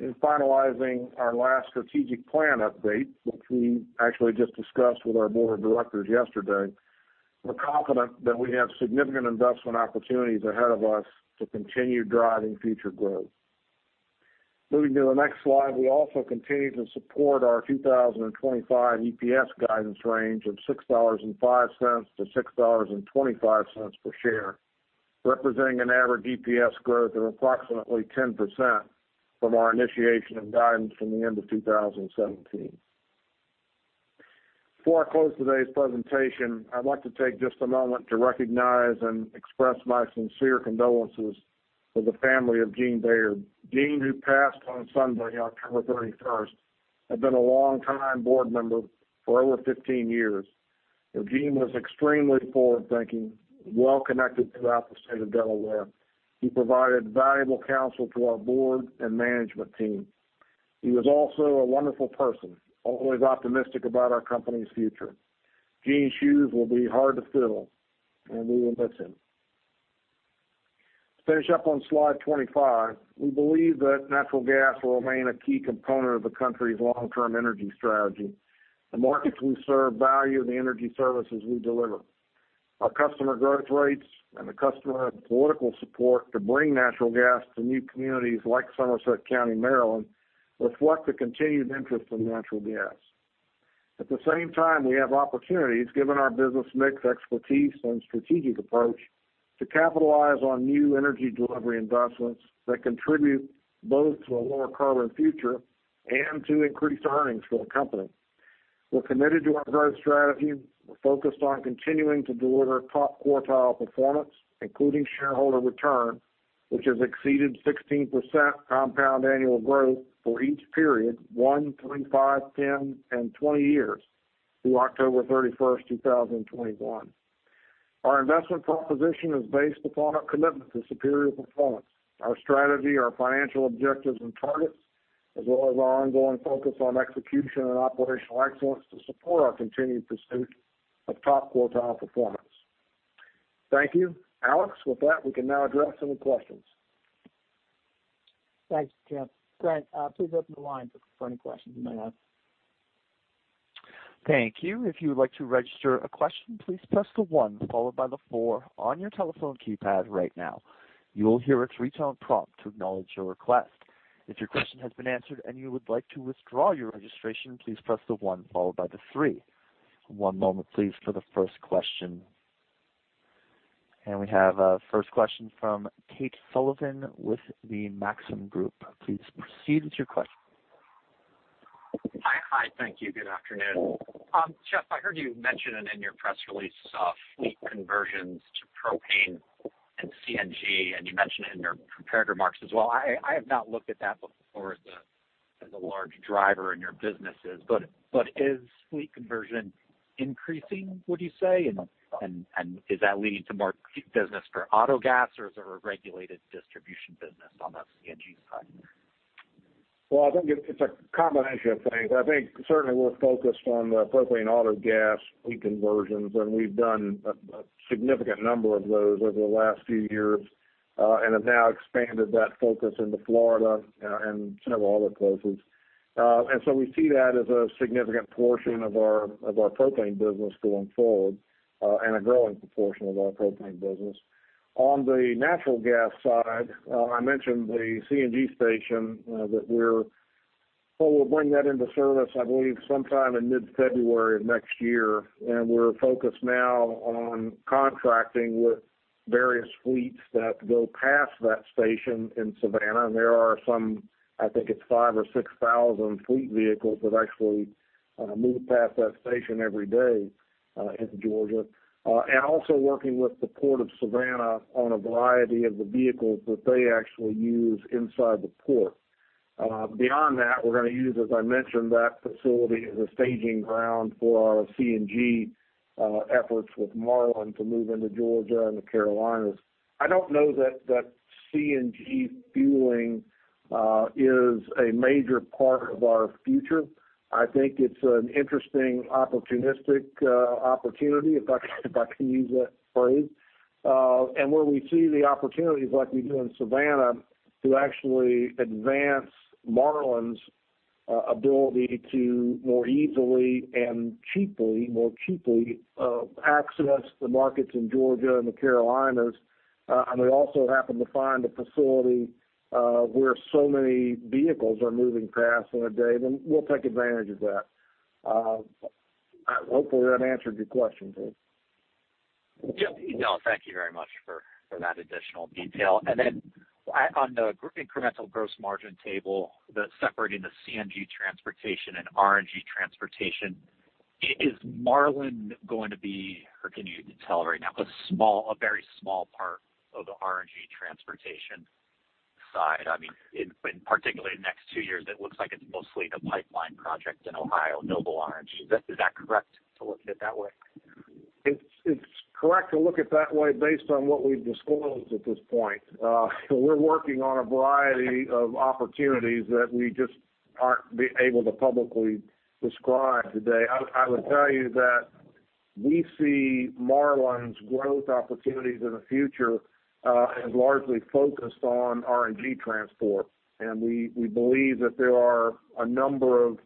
In finalizing our last strategic plan update, which we actually just discussed with our board of directors yesterday, we're confident that we have significant investment opportunities ahead of us to continue driving future growth. Moving to the next slide, we also continue to support our 2025 EPS guidance range of $6.05-$6.25 per share, representing an average EPS growth of approximately 10% from our initiation of guidance from the end of 2017. Before I close today's presentation, I'd like to take just a moment to recognize and express my sincere condolences to the family of Eugene Bayard. Gene, who passed on Sunday, October 31st, had been a longtime board member for over 15 years. Eugene was extremely forward-thinking, well-connected throughout the state of Delaware. He provided valuable counsel to our board and management team. He was also a wonderful person, always optimistic about our company's future. Gene's shoes will be hard to fill, and we will miss him. To finish up on Slide 25, we believe that natural gas will remain a key component of the country's long-term energy strategy. The markets we serve value the energy services we deliver. Our customer growth rates and the customer political support to bring natural gas to new communities like Somerset County, Maryland, reflect the continued interest in natural gas. At the same time, we have opportunities, given our business mix, expertise, and strategic approach, to capitalize on new energy delivery investments that contribute both to a lower carbon future and to increased earnings for the company. We're committed to our growth strategy. We're focused on continuing to deliver top quartile performance, including shareholder return, which has exceeded 16% compound annual growth for each period, one, 3, 5, 10, and 20 years through October 31st, 2021. Our investment proposition is based upon our commitment to superior performance, our strategy, our financial objectives and targets, as well as our ongoing focus on execution and operational excellence to support our continued pursuit of top quartile performance. Thank you, Alex. With that, we can now address any questions. Thanks, Jeff. Grant, please open the line for any questions you may have. Thank you. If you would like to register a question, please press the one followed by the four on your telephone keypad right now. You will hear a three-tone prompt to acknowledge your request. If your question has been answered and you would like to withdraw your registration, please press the one followed by the three. One moment, please, for the first question, and we have a first question from Tate Sullivan with the Maxim Group. Please proceed with your question. Hi, hi. Thank you. Good afternoon. Jeff, I heard you mention in your press release fleet conversions to propane and CNG, and you mentioned it in your prepared remarks as well. I have not looked at that before as a large driver in your businesses. But is fleet conversion increasing, would you say? And is that leading to more fleet business for autogas, or is there a regulated distribution business on the CNG side? Well, I think it's a combination of things. I think certainly we're focused on the propane autogas fleet conversions, and we've done a significant number of those over the last few years and have now expanded that focus into Florida and several other places. And so we see that as a significant portion of our propane business going forward and a growing proportion of our propane business. On the natural gas side, I mentioned the CNG station that we're, well, we'll bring that into service, I believe, sometime in mid-February of next year, and we're focused now on contracting with various fleets that go past that station in Savannah, and there are some, I think it's five or six thousand fleet vehicles that actually move past that station every day into Georgia, and also working with the Port of Savannah on a variety of the vehicles that they actually use inside the port. Beyond that, we're going to use, as I mentioned, that facility as a staging ground for our CNG efforts with Marlin to move into Georgia and the Carolinas. I don't know that CNG fueling is a major part of our future. I think it's an interesting opportunistic opportunity, if I can use that phrase. Where we see the opportunity, like we do in Savannah, to actually advance Marlin's ability to more easily and cheaply, more cheaply, access the markets in Georgia and the Carolinas. We also happen to find a facility where so many vehicles are moving past in a day, then we'll take advantage of that. Hopefully, that answered your question, Jim. Yep. No, thank you very much for that additional detail. And then on the incremental gross margin table, separating the CNG transportation and RNG transportation, is Marlin going to be, or can you tell right now, a very small part of the RNG transportation side? I mean, in particular, in the next two years, it looks like it's mostly the pipeline project in Ohio, Noble RNG. Is that correct to look at it that way? It's correct to look at it that way based on what we've disclosed at this point. We're working on a variety of opportunities that we just aren't able to publicly describe today. I would tell you that we see Marlin's growth opportunities in the future as largely focused on RNG transport. And we believe that there are a number of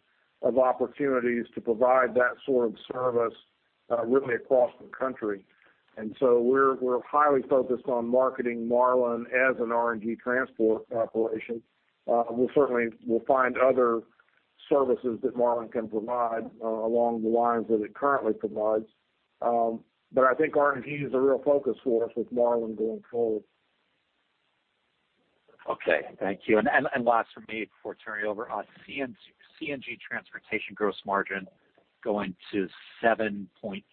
opportunities to provide that sort of service really across the country. And so we're highly focused on marketing Marlin as an RNG transport operation. We'll find other services that Marlin can provide along the lines that it currently provides. But I think RNG is a real focus for us with Marlin going forward. Okay. Thank you. And last for me before turning it over, CNG transportation gross margin going to 7.3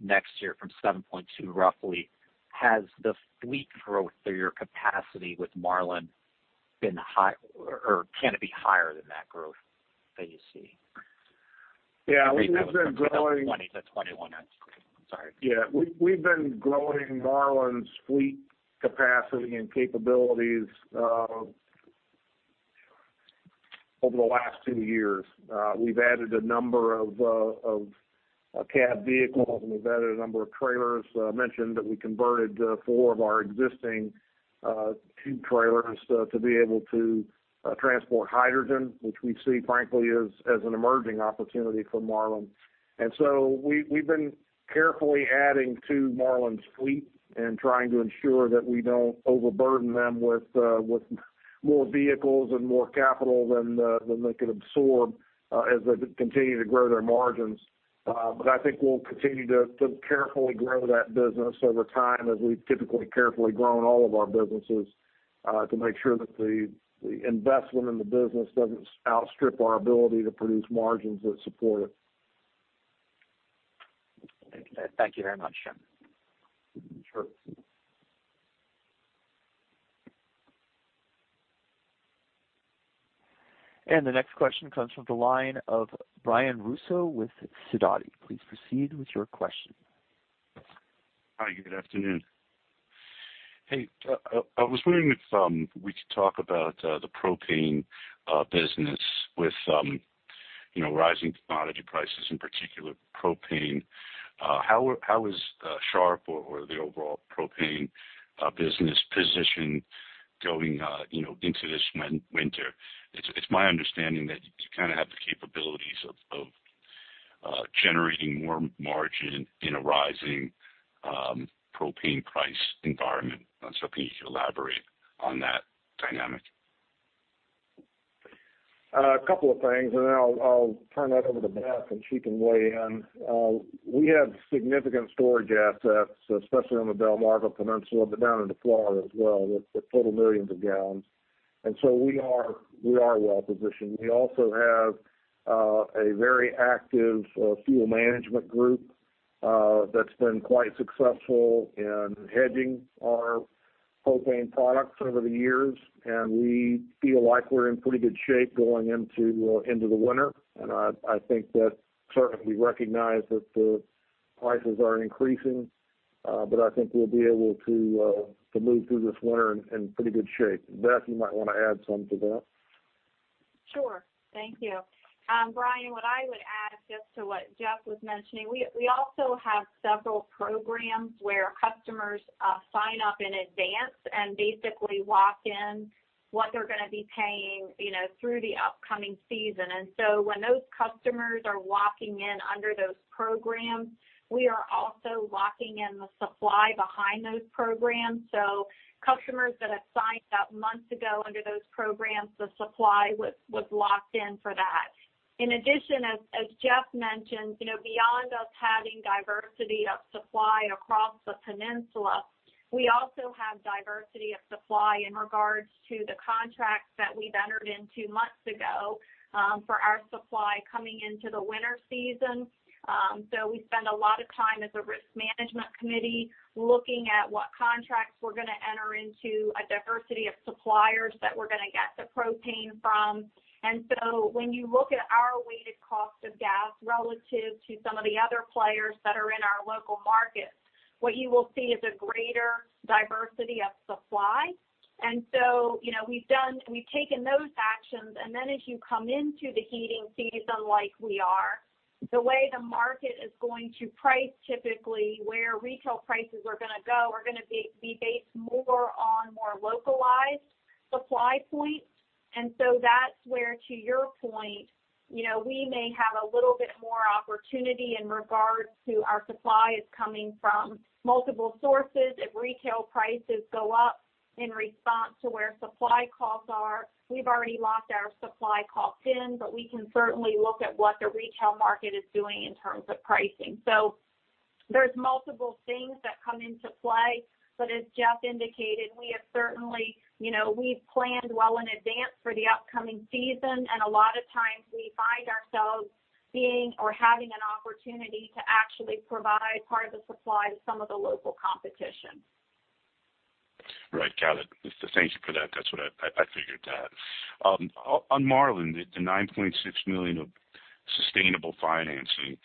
next year from 7.2 roughly. Has the fleet growth or your capacity with Marlin been high, or can it be higher than that growth that you see? Yeah. We've been growing, 20 to 21. I'm sorry. Yeah. We've been growing Marlin's fleet capacity and capabilities over the last two years. We've added a number of cab vehicles, and we've added a number of trailers. I mentioned that we converted four of our existing tube trailers to be able to transport hydrogen, which we see, frankly, as an emerging opportunity for Marlin. And so we've been carefully adding to Marlin's fleet and trying to ensure that we don't overburden them with more vehicles and more capital than they could absorb as they continue to grow their margins. But I think we'll continue to carefully grow that business over time as we've typically carefully grown all of our businesses to make sure that the investment in the business doesn't outstrip our ability to produce margins that support it. Thank you very much, Jeff. Sure. And the next question comes from the line of Brian Russo with Sidoti. Please proceed with your question. Hi. Good afternoon. Hey. I was wondering if we could talk about the propane business with rising commodity prices, in particular propane. How is Sharp or the overall propane business positioned going into this winter? It's my understanding that you kind of have the capabilities of generating more margin in a rising propane price environment. So if you could elaborate on that dynamic. A couple of things, and then I'll turn that over to Beth, and she can weigh in. We have significant storage assets, especially on the Delmarva Peninsula, but down into Florida as well, with total millions of gallons. And so we are well positioned. We also have a very active fuel management group that's been quite successful in hedging our propane products over the years. And we feel like we're in pretty good shape going into the winter. And I think that certainly we recognize that the prices are increasing, but I think we'll be able to move through this winter in pretty good shape. Beth, you might want to add something to that. Sure. Thank you. Brian, what I would add just to what Jeff was mentioning, we also have several programs where customers sign up in advance and basically lock in what they're going to be paying through the upcoming season. And so when those customers are locking in under those programs, we are also locking in the supply behind those programs. So customers that have signed up months ago under those programs, the supply was locked in for that. In addition, as Jeff mentioned, beyond us having diversity of supply across the peninsula, we also have diversity of supply in regards to the contracts that we've entered into months ago for our supply coming into the winter season. So we spend a lot of time as a risk management committee looking at what contracts we're going to enter into, a diversity of suppliers that we're going to get the propane from. And so when you look at our weighted cost of gas relative to some of the other players that are in our local markets, what you will see is a greater diversity of supply. And so we've taken those actions. And then as you come into the heating season like we are, the way the market is going to price typically where retail prices are going to go are going to be based more on localized supply points. And so that's where, to your point, we may have a little bit more opportunity in regards to our supply is coming from multiple sources. If retail prices go up in response to where supply costs are, we've already locked our supply cost in, but we can certainly look at what the retail market is doing in terms of pricing. So there's multiple things that come into play. But as Jeff indicated, we have certainly, we've planned well in advance for the upcoming season. And a lot of times we find ourselves being or having an opportunity to actually provide part of the supply to some of the local competition. Right. Got it. Thank you for that. That's what I figured that. On Marlin, the $9.6 million of sustainable financing,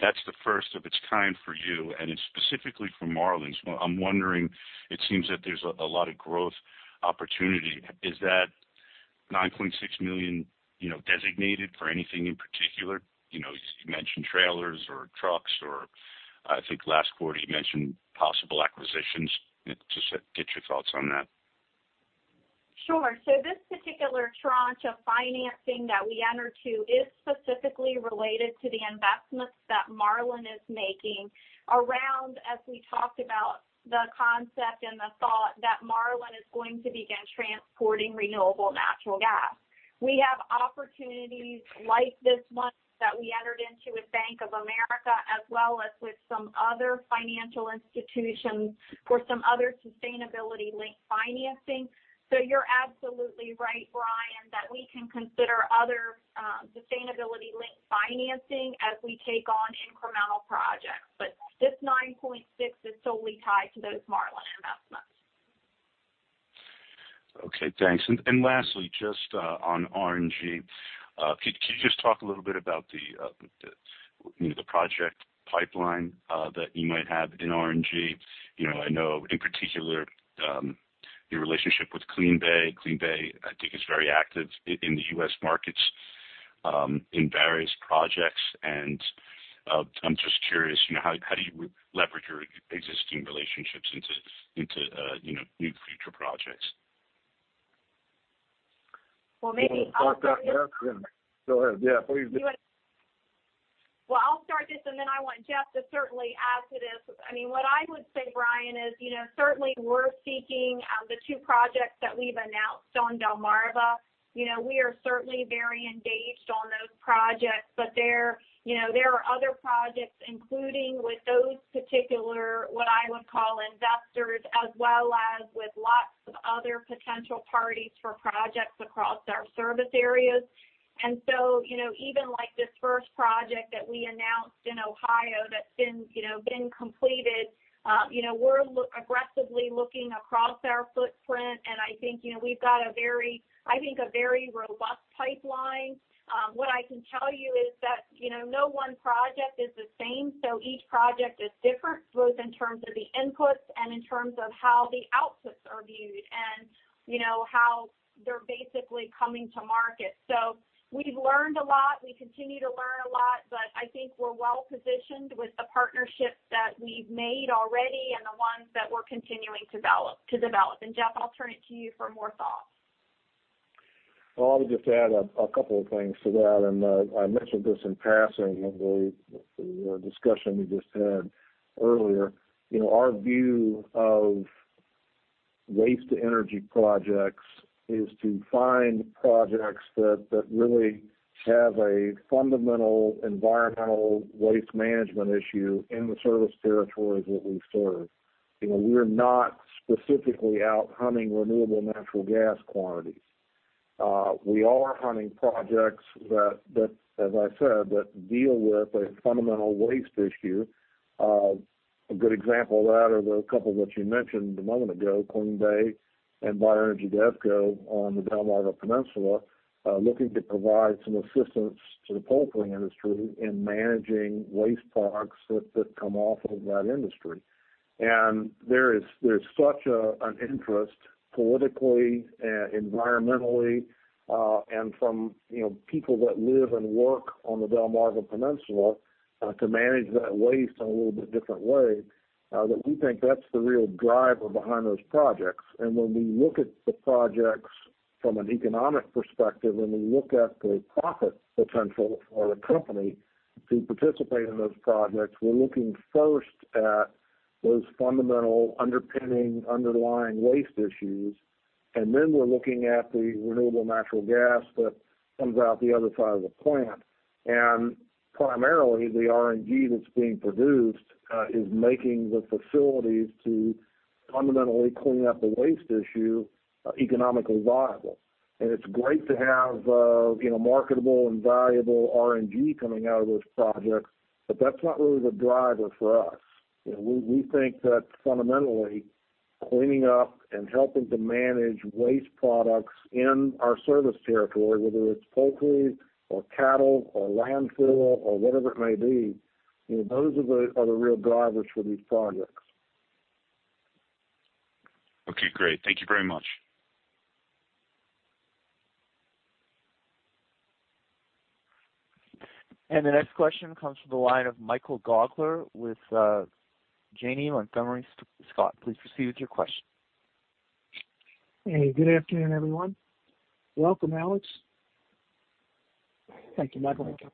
that's the first of its kind for you, and it's specifically for Marlin. I'm wondering, it seems that there's a lot of growth opportunity. Is that $9.6 million designated for anything in particular? You mentioned trailers or trucks or, I think, last quarter you mentioned possible acquisitions. Just get your thoughts on that. Sure. So this particular tranche of financing that we entered into is specifically related to the investments that Marlin is making around, as we talked about, the concept and the thought that Marlin is going to begin transporting renewable natural gas. We have opportunities like this one that we entered into with Bank of America as well as with some other financial institutions for some other sustainability-linked financing. So you're absolutely right, Brian, that we can consider other sustainability-linked financing as we take on incremental projects. But this 9.6 is solely tied to those Marlin investments. Okay. Thanks. And lastly, just on RNG, could you just talk a little bit about the project pipeline that you might have in RNG? I know, in particular, your relationship with CleanBay. CleanBay, I think, is very active in the U.S. markets in various projects. And I'm just curious, how do you leverage your existing relationships into new future projects? Well, maybe I'll start. Yes, yes. Go ahead. Yeah. Please. Well, I'll start this, and then I want Jeff to certainly add to this. I mean, what I would say, Brian, is certainly we're seeking the two projects that we've announced on Delmarva. We are certainly very engaged on those projects. But there are other projects, including with those particular, what I would call, investors, as well as with lots of other potential parties for projects across our service areas. And so even like this first project that we announced in Ohio that's been completed, we're aggressively looking across our footprint. And I think we've got a very—I think a very robust pipeline. What I can tell you is that no one project is the same. So each project is different, both in terms of the inputs and in terms of how the outputs are viewed and how they're basically coming to market. So we've learned a lot. We continue to learn a lot. But I think we're well positioned with the partnerships that we've made already and the ones that we're continuing to develop. And Jeff, I'll turn it to you for more thoughts. I would just add a couple of things to that. I mentioned this in passing in the discussion we just had earlier. Our view of waste-to-energy projects is to find projects that really have a fundamental environmental waste management issue in the service territories that we serve. We're not specifically out hunting renewable natural gas quantities. We are hunting projects that, as I said, deal with a fundamental waste issue. A good example of that are the couple that you mentioned a moment ago, CleanBay Renewables and Bioenergy Devco on the Delmarva Peninsula, looking to provide some assistance to the poultry industry in managing waste products that come off of that industry. There's such an interest politically, environmentally, and from people that live and work on the Delmarva Peninsula to manage that waste in a little bit different way that we think that's the real driver behind those projects. When we look at the projects from an economic perspective and we look at the profit potential for a company to participate in those projects, we're looking first at those fundamental underpinning, underlying waste issues. Then we're looking at the renewable natural gas that comes out the other side of the plant. Primarily, the RNG that's being produced is making the facilities to fundamentally clean up the waste issue economically viable. It's great to have marketable and valuable RNG coming out of those projects, but that's not really the driver for us. We think that fundamentally cleaning up and helping to manage waste products in our service territory, whether it's poultry or cattle or landfill or whatever it may be, those are the real drivers for these projects. Okay. Great. Thank you very much. And the next question comes from the line of Michael Gaugler with Janney Montgomery Scott. Please proceed with your question. Hey. Good afternoon, everyone. Welcome, Alex. Thank you, Michael. Thank you.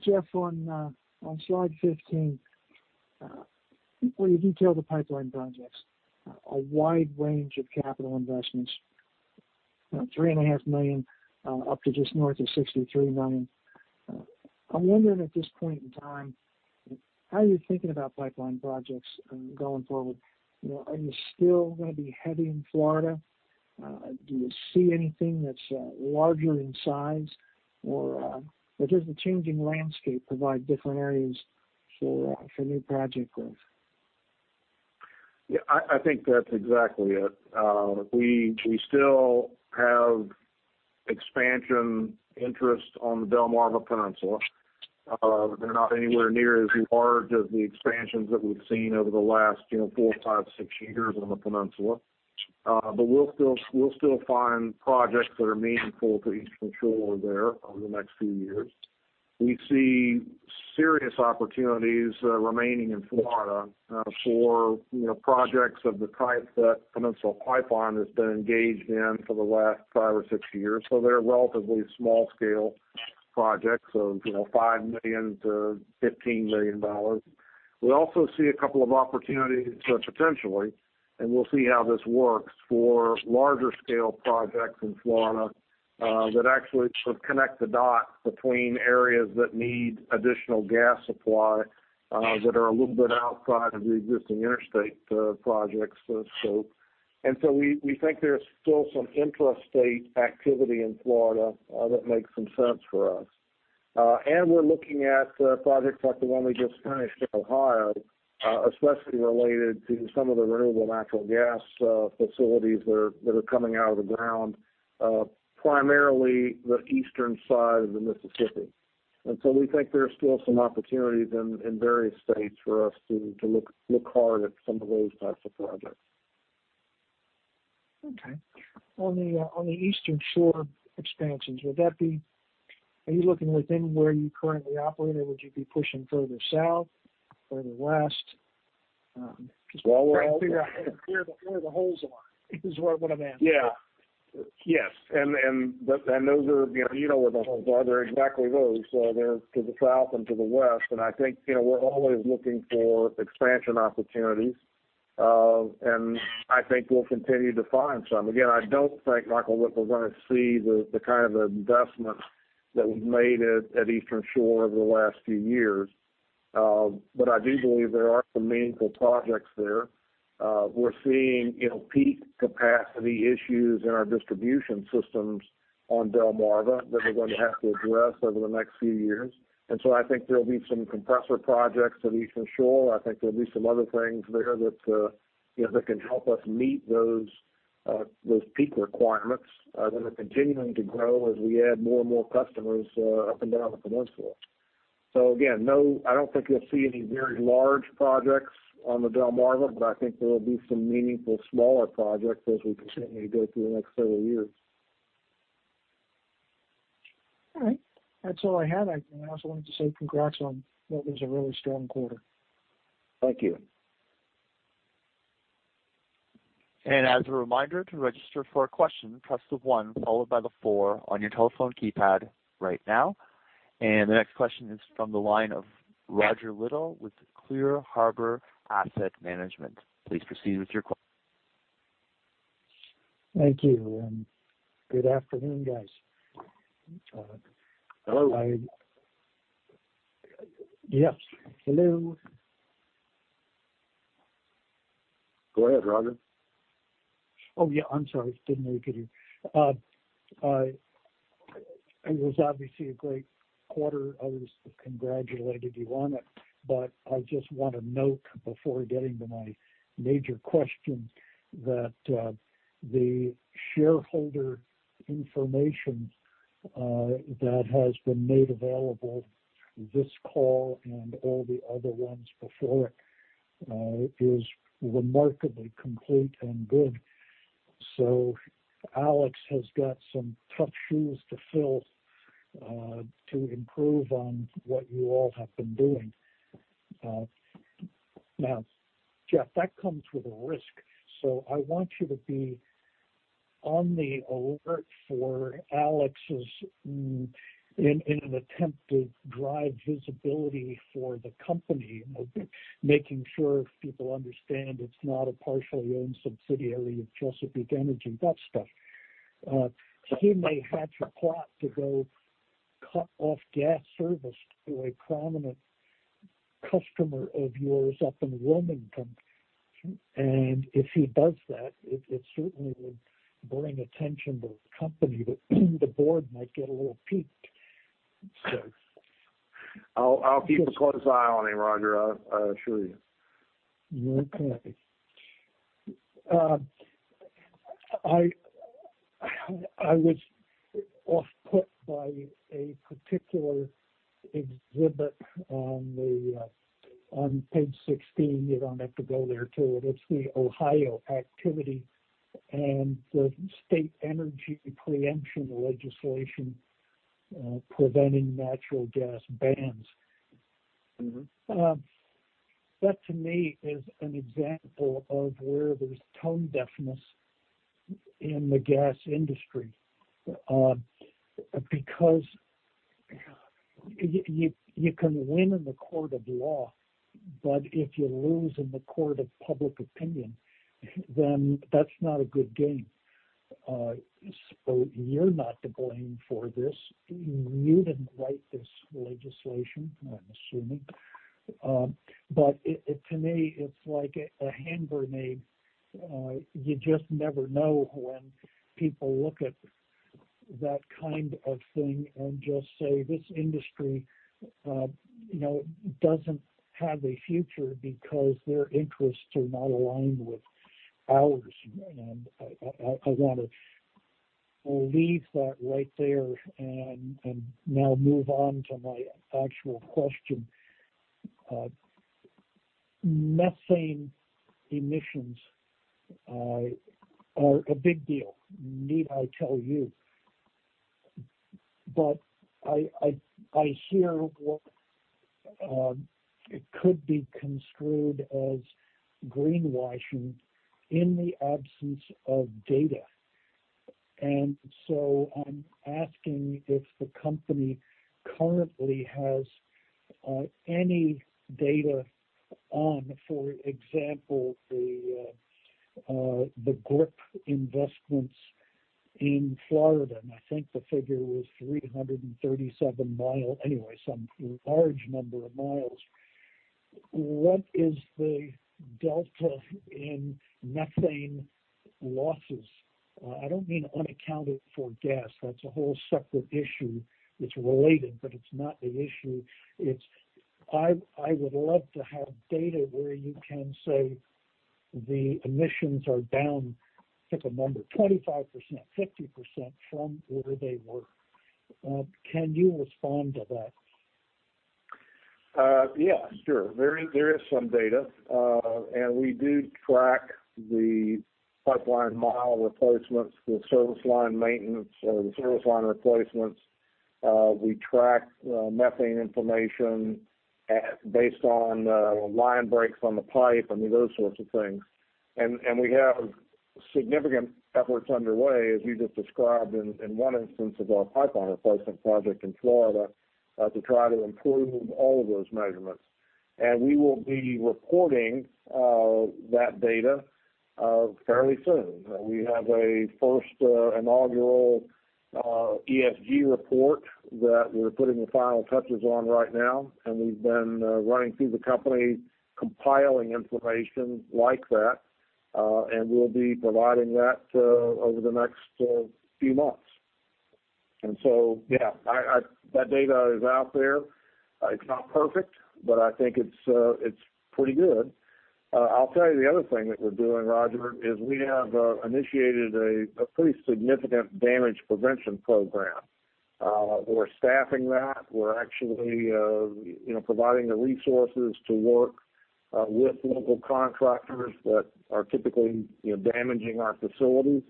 Jeff, on Slide 15, where you detail the pipeline projects, a wide range of capital investments, about $3.5 million up to just north of $63 million. I'm wondering at this point in time, how are you thinking about pipeline projects going forward? Are you still going to be heavy in Florida? Do you see anything that's larger in size? Or does the changing landscape provide different areas for new project growth? Yeah. I think that's exactly it. We still have expansion interest on the Delmarva Peninsula. They're not anywhere near as large as the expansions that we've seen over the last four, five, six years on the peninsula. But we'll still find projects that are meaningful to Eastern Shore there over the next few years. We see serious opportunities remaining in Florida for projects of the type that Peninsula Pipeline has been engaged in for the last five or six years. So they're relatively small-scale projects of $5 million-$15 million. We also see a couple of opportunities potentially, and we'll see how this works for larger-scale projects in Florida that actually sort of connect the dots between areas that need additional gas supply that are a little bit outside of the existing interstate projects. And so we think there's still some interstate activity in Florida that makes some sense for us. We're looking at projects like the one we just finished in Ohio, especially related to some of the renewable natural gas facilities that are coming out of the ground, primarily the eastern side of the Mississippi. And so we think there's still some opportunities in various states for us to look hard at some of those types of projects. Okay. On the Eastern Shore expansions, would that be - are you looking within where you currently operate, or would you be pushing further south, further west? Just trying to figure out where the holes are, is what I'm asking. Yeah. Yes. And those are - you know where the holes are. They're exactly those. They're to the south and to the west. And I think we're always looking for expansion opportunities. And I think we'll continue to find some. Again, I don't think, Michael, that we're going to see the kind of investment that we've made at Eastern Shore over the last few years. But I do believe there are some meaningful projects there. We're seeing peak capacity issues in our distribution systems on Delmarva that we're going to have to address over the next few years. And so I think there'll be some compressor projects at Eastern Shore. I think there'll be some other things there that can help us meet those peak requirements that are continuing to grow as we add more and more customers up and down the peninsula. So again, I don't think you'll see any very large projects on the Delmarva, but I think there will be some meaningful smaller projects as we continue to go through the next several years. All right. That's all I had. I also wanted to say congrats on what was a really strong quarter. Thank you. And as a reminder, to register for a question, press the 1 followed by the 4 on your telephone keypad right now. And the next question is from the line of Roger Liddell with Clear Harbor Asset Management. Please proceed with your question. Thank you. And good afternoon, guys. Hello. Yes. Hello. Go ahead, Roger. Oh, yeah. I'm sorry. Didn't know you could hear. It was obviously a great quarter. I was congratulated you on it. But I just want to note before getting to my major question that the shareholder information that has been made available this call and all the other ones before it is remarkably complete and good. So Alex has got some tough shoes to fill to improve on what you all have been doing. Now, Jeff, that comes with a risk, so I want you to be on the alert for Alex's in an attempt to drive visibility for the company, making sure people understand it's not a partially owned subsidiary of Chesapeake Energy, that stuff. He may have to plot to go cut off gas service to a prominent customer of yours up in Wilmington, and if he does that, it certainly would bring attention to the company. The board might get a little piqued, so. I'll keep a close eye on him, Roger. I assure you. Okay. I was put off by a particular exhibit on page 16. You don't have to turn to it. It's the Ohio Activity and the State Energy Preemption Legislation Preventing Natural Gas Bans. That, to me, is an example of where there's tone deafness in the gas industry because you can win in the court of law, but if you lose in the court of public opinion, then that's not a good game. So you're not to blame for this. You didn't write this legislation, I'm assuming. But to me, it's like a hand grenade. You just never know when people look at that kind of thing and just say, "This industry doesn't have a future because their interests are not aligned with ours." And I want to leave that right there and now move on to my actual question. Methane emissions are a big deal, need I tell you? But I hear what could be construed as greenwashing in the absence of data. And so I'm asking if the company currently has any data on, for example, the GRIP investments in Florida. I think the figure was 337 miles. Anyway, some large number of miles. What is the delta in methane losses? I don't mean unaccounted for gas. That's a whole separate issue. It's related, but it's not the issue. I would love to have data where you can say the emissions are down, pick a number, 25%, 50% from where they were. Can you respond to that? Yeah. Sure. There is some data. And we do track the pipeline mile replacements, the service line maintenance, or the service line replacements. We track methane information based on line breaks on the pipe, I mean, those sorts of things. And we have significant efforts underway, as you just described, in one instance of our pipeline replacement project in Florida to try to improve all of those measurements. And we will be reporting that data fairly soon. We have a first inaugural ESG report that we're putting the final touches on right now, and we've been running through the company, compiling information like that. We'll be providing that over the next few months, and so, yeah, that data is out there. It's not perfect, but I think it's pretty good. I'll tell you the other thing that we're doing, Roger, is we have initiated a pretty significant damage prevention program. We're staffing that. We're actually providing the resources to work with local contractors that are typically damaging our facilities.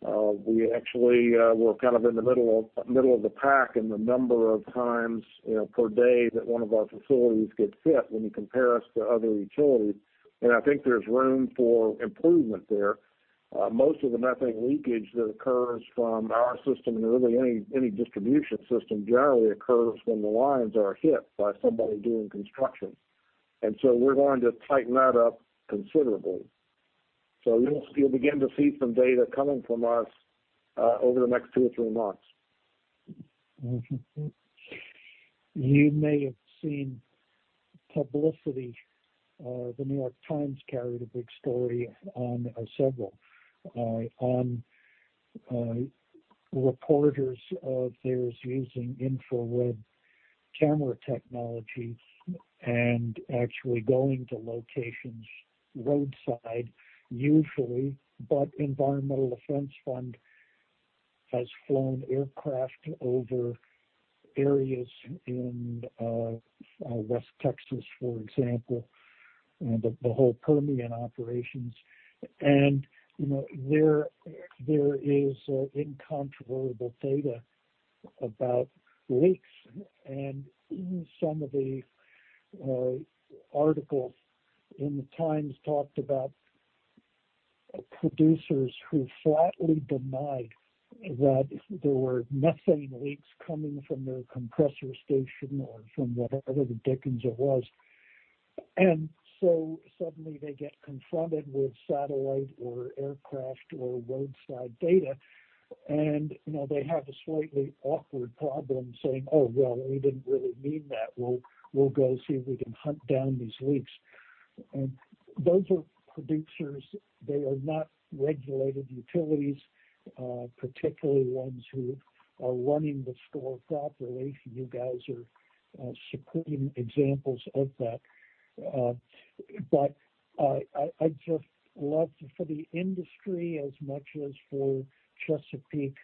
We actually were kind of in the middle of the pack and the number of times per day that one of our facilities gets hit when you compare us to other utilities. I think there's room for improvement there. Most of the methane leakage that occurs from our system and really any distribution system generally occurs when the lines are hit by somebody doing construction. We're going to tighten that up considerably. You'll begin to see some data coming from us over the next two or three months. You may have seen publicity. The New York Times carried a big story on several reporters of theirs using infrared camera technology and actually going to locations roadside usually, but Environmental Defense Fund has flown aircraft over areas in West Texas, for example, the whole Permian operations. There is incontrovertible data about leaks. Some of the articles in The Times talked about producers who flatly denied that there were methane leaks coming from their compressor station or from whatever the Dickens it was. And so suddenly they get confronted with satellite or aircraft or roadside data. And they have a slightly awkward problem saying, "Oh, well, we didn't really mean that. We'll go see if we can hunt down these leaks." And those are producers. They are not regulated utilities, particularly ones who are running the store properly. You guys are supreme examples of that. But I just love for the industry as much as for Chesapeake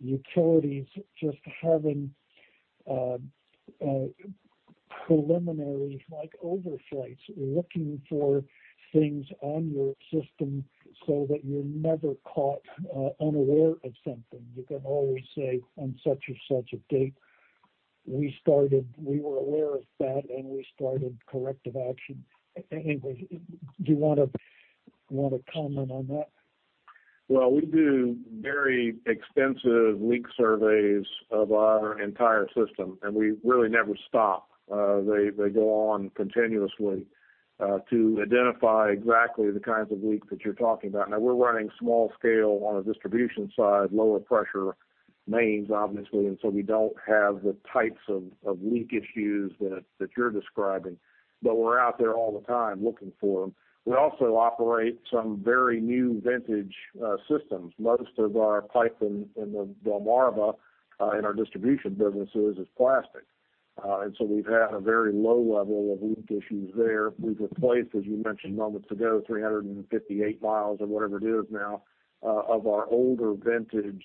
Utilities just having preliminary overflights looking for things on your system so that you're never caught unaware of something. You can always say, "On such and such a date, we were aware of that, and we started corrective action." Anyway, do you want to comment on that? Well, we do very extensive leak surveys of our entire system, and we really never stop. They go on continuously to identify exactly the kinds of leaks that you're talking about. Now, we're running small-scale on a distribution side, lower pressure mains, obviously, and so we don't have the types of leak issues that you're describing. But we're out there all the time looking for them. We also operate some very new vintage systems. Most of our pipe in the Delmarva in our distribution businesses is plastic. And so we've had a very low level of leak issues there. We've replaced, as you mentioned moments ago, 358 miles or whatever it is now of our older vintage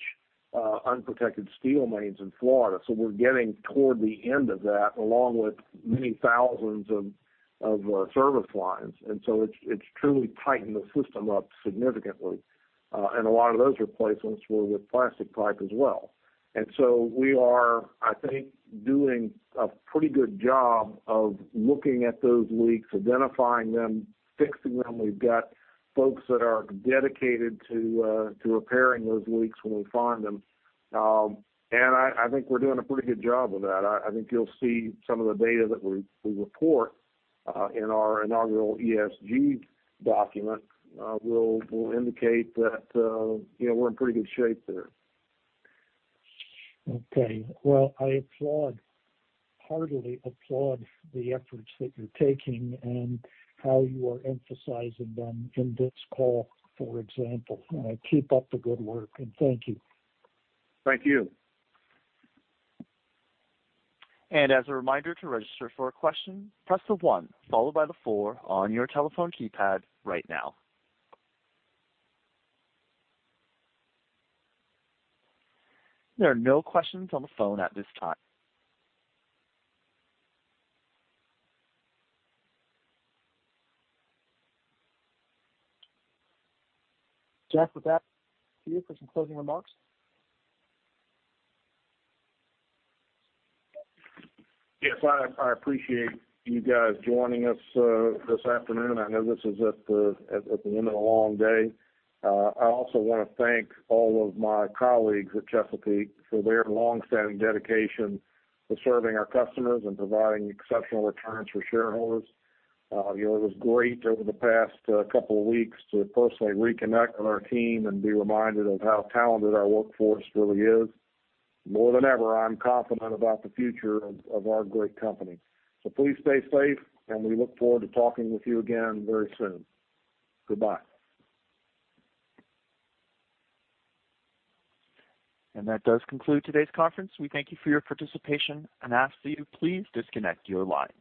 unprotected steel mains in Florida. So we're getting toward the end of that along with many thousands of service lines. And so it's truly tightened the system up significantly. And a lot of those replacements were with plastic pipe as well. And so we are, I think, doing a pretty good job of looking at those leaks, identifying them, fixing them. We've got folks that are dedicated to repairing those leaks when we find them. And I think we're doing a pretty good job of that. I think you'll see some of the data that we report in our inaugural ESG document will indicate that we're in pretty good shape there. Okay. Well, I heartily applaud the efforts that you're taking and how you are emphasizing them in this call, for example. Keep up the good work. And thank you. Thank you. And as a reminder to register for a question, press the one followed by the four on your telephone keypad right now. There are no questions on the phone at this time. Jeff, would that be it for some closing remarks? Yes. I appreciate you guys joining us this afternoon. I know this is at the end of a long day. I also want to thank all of my colleagues at Chesapeake for their long-standing dedication to serving our customers and providing exceptional returns for shareholders. It was great over the past couple of weeks to personally reconnect with our team and be reminded of how talented our workforce really is. More than ever, I'm confident about the future of our great company, so please stay safe, and we look forward to talking with you again very soon. Goodbye, And that does conclude today's conference. We thank you for your participation and ask that you please disconnect your line.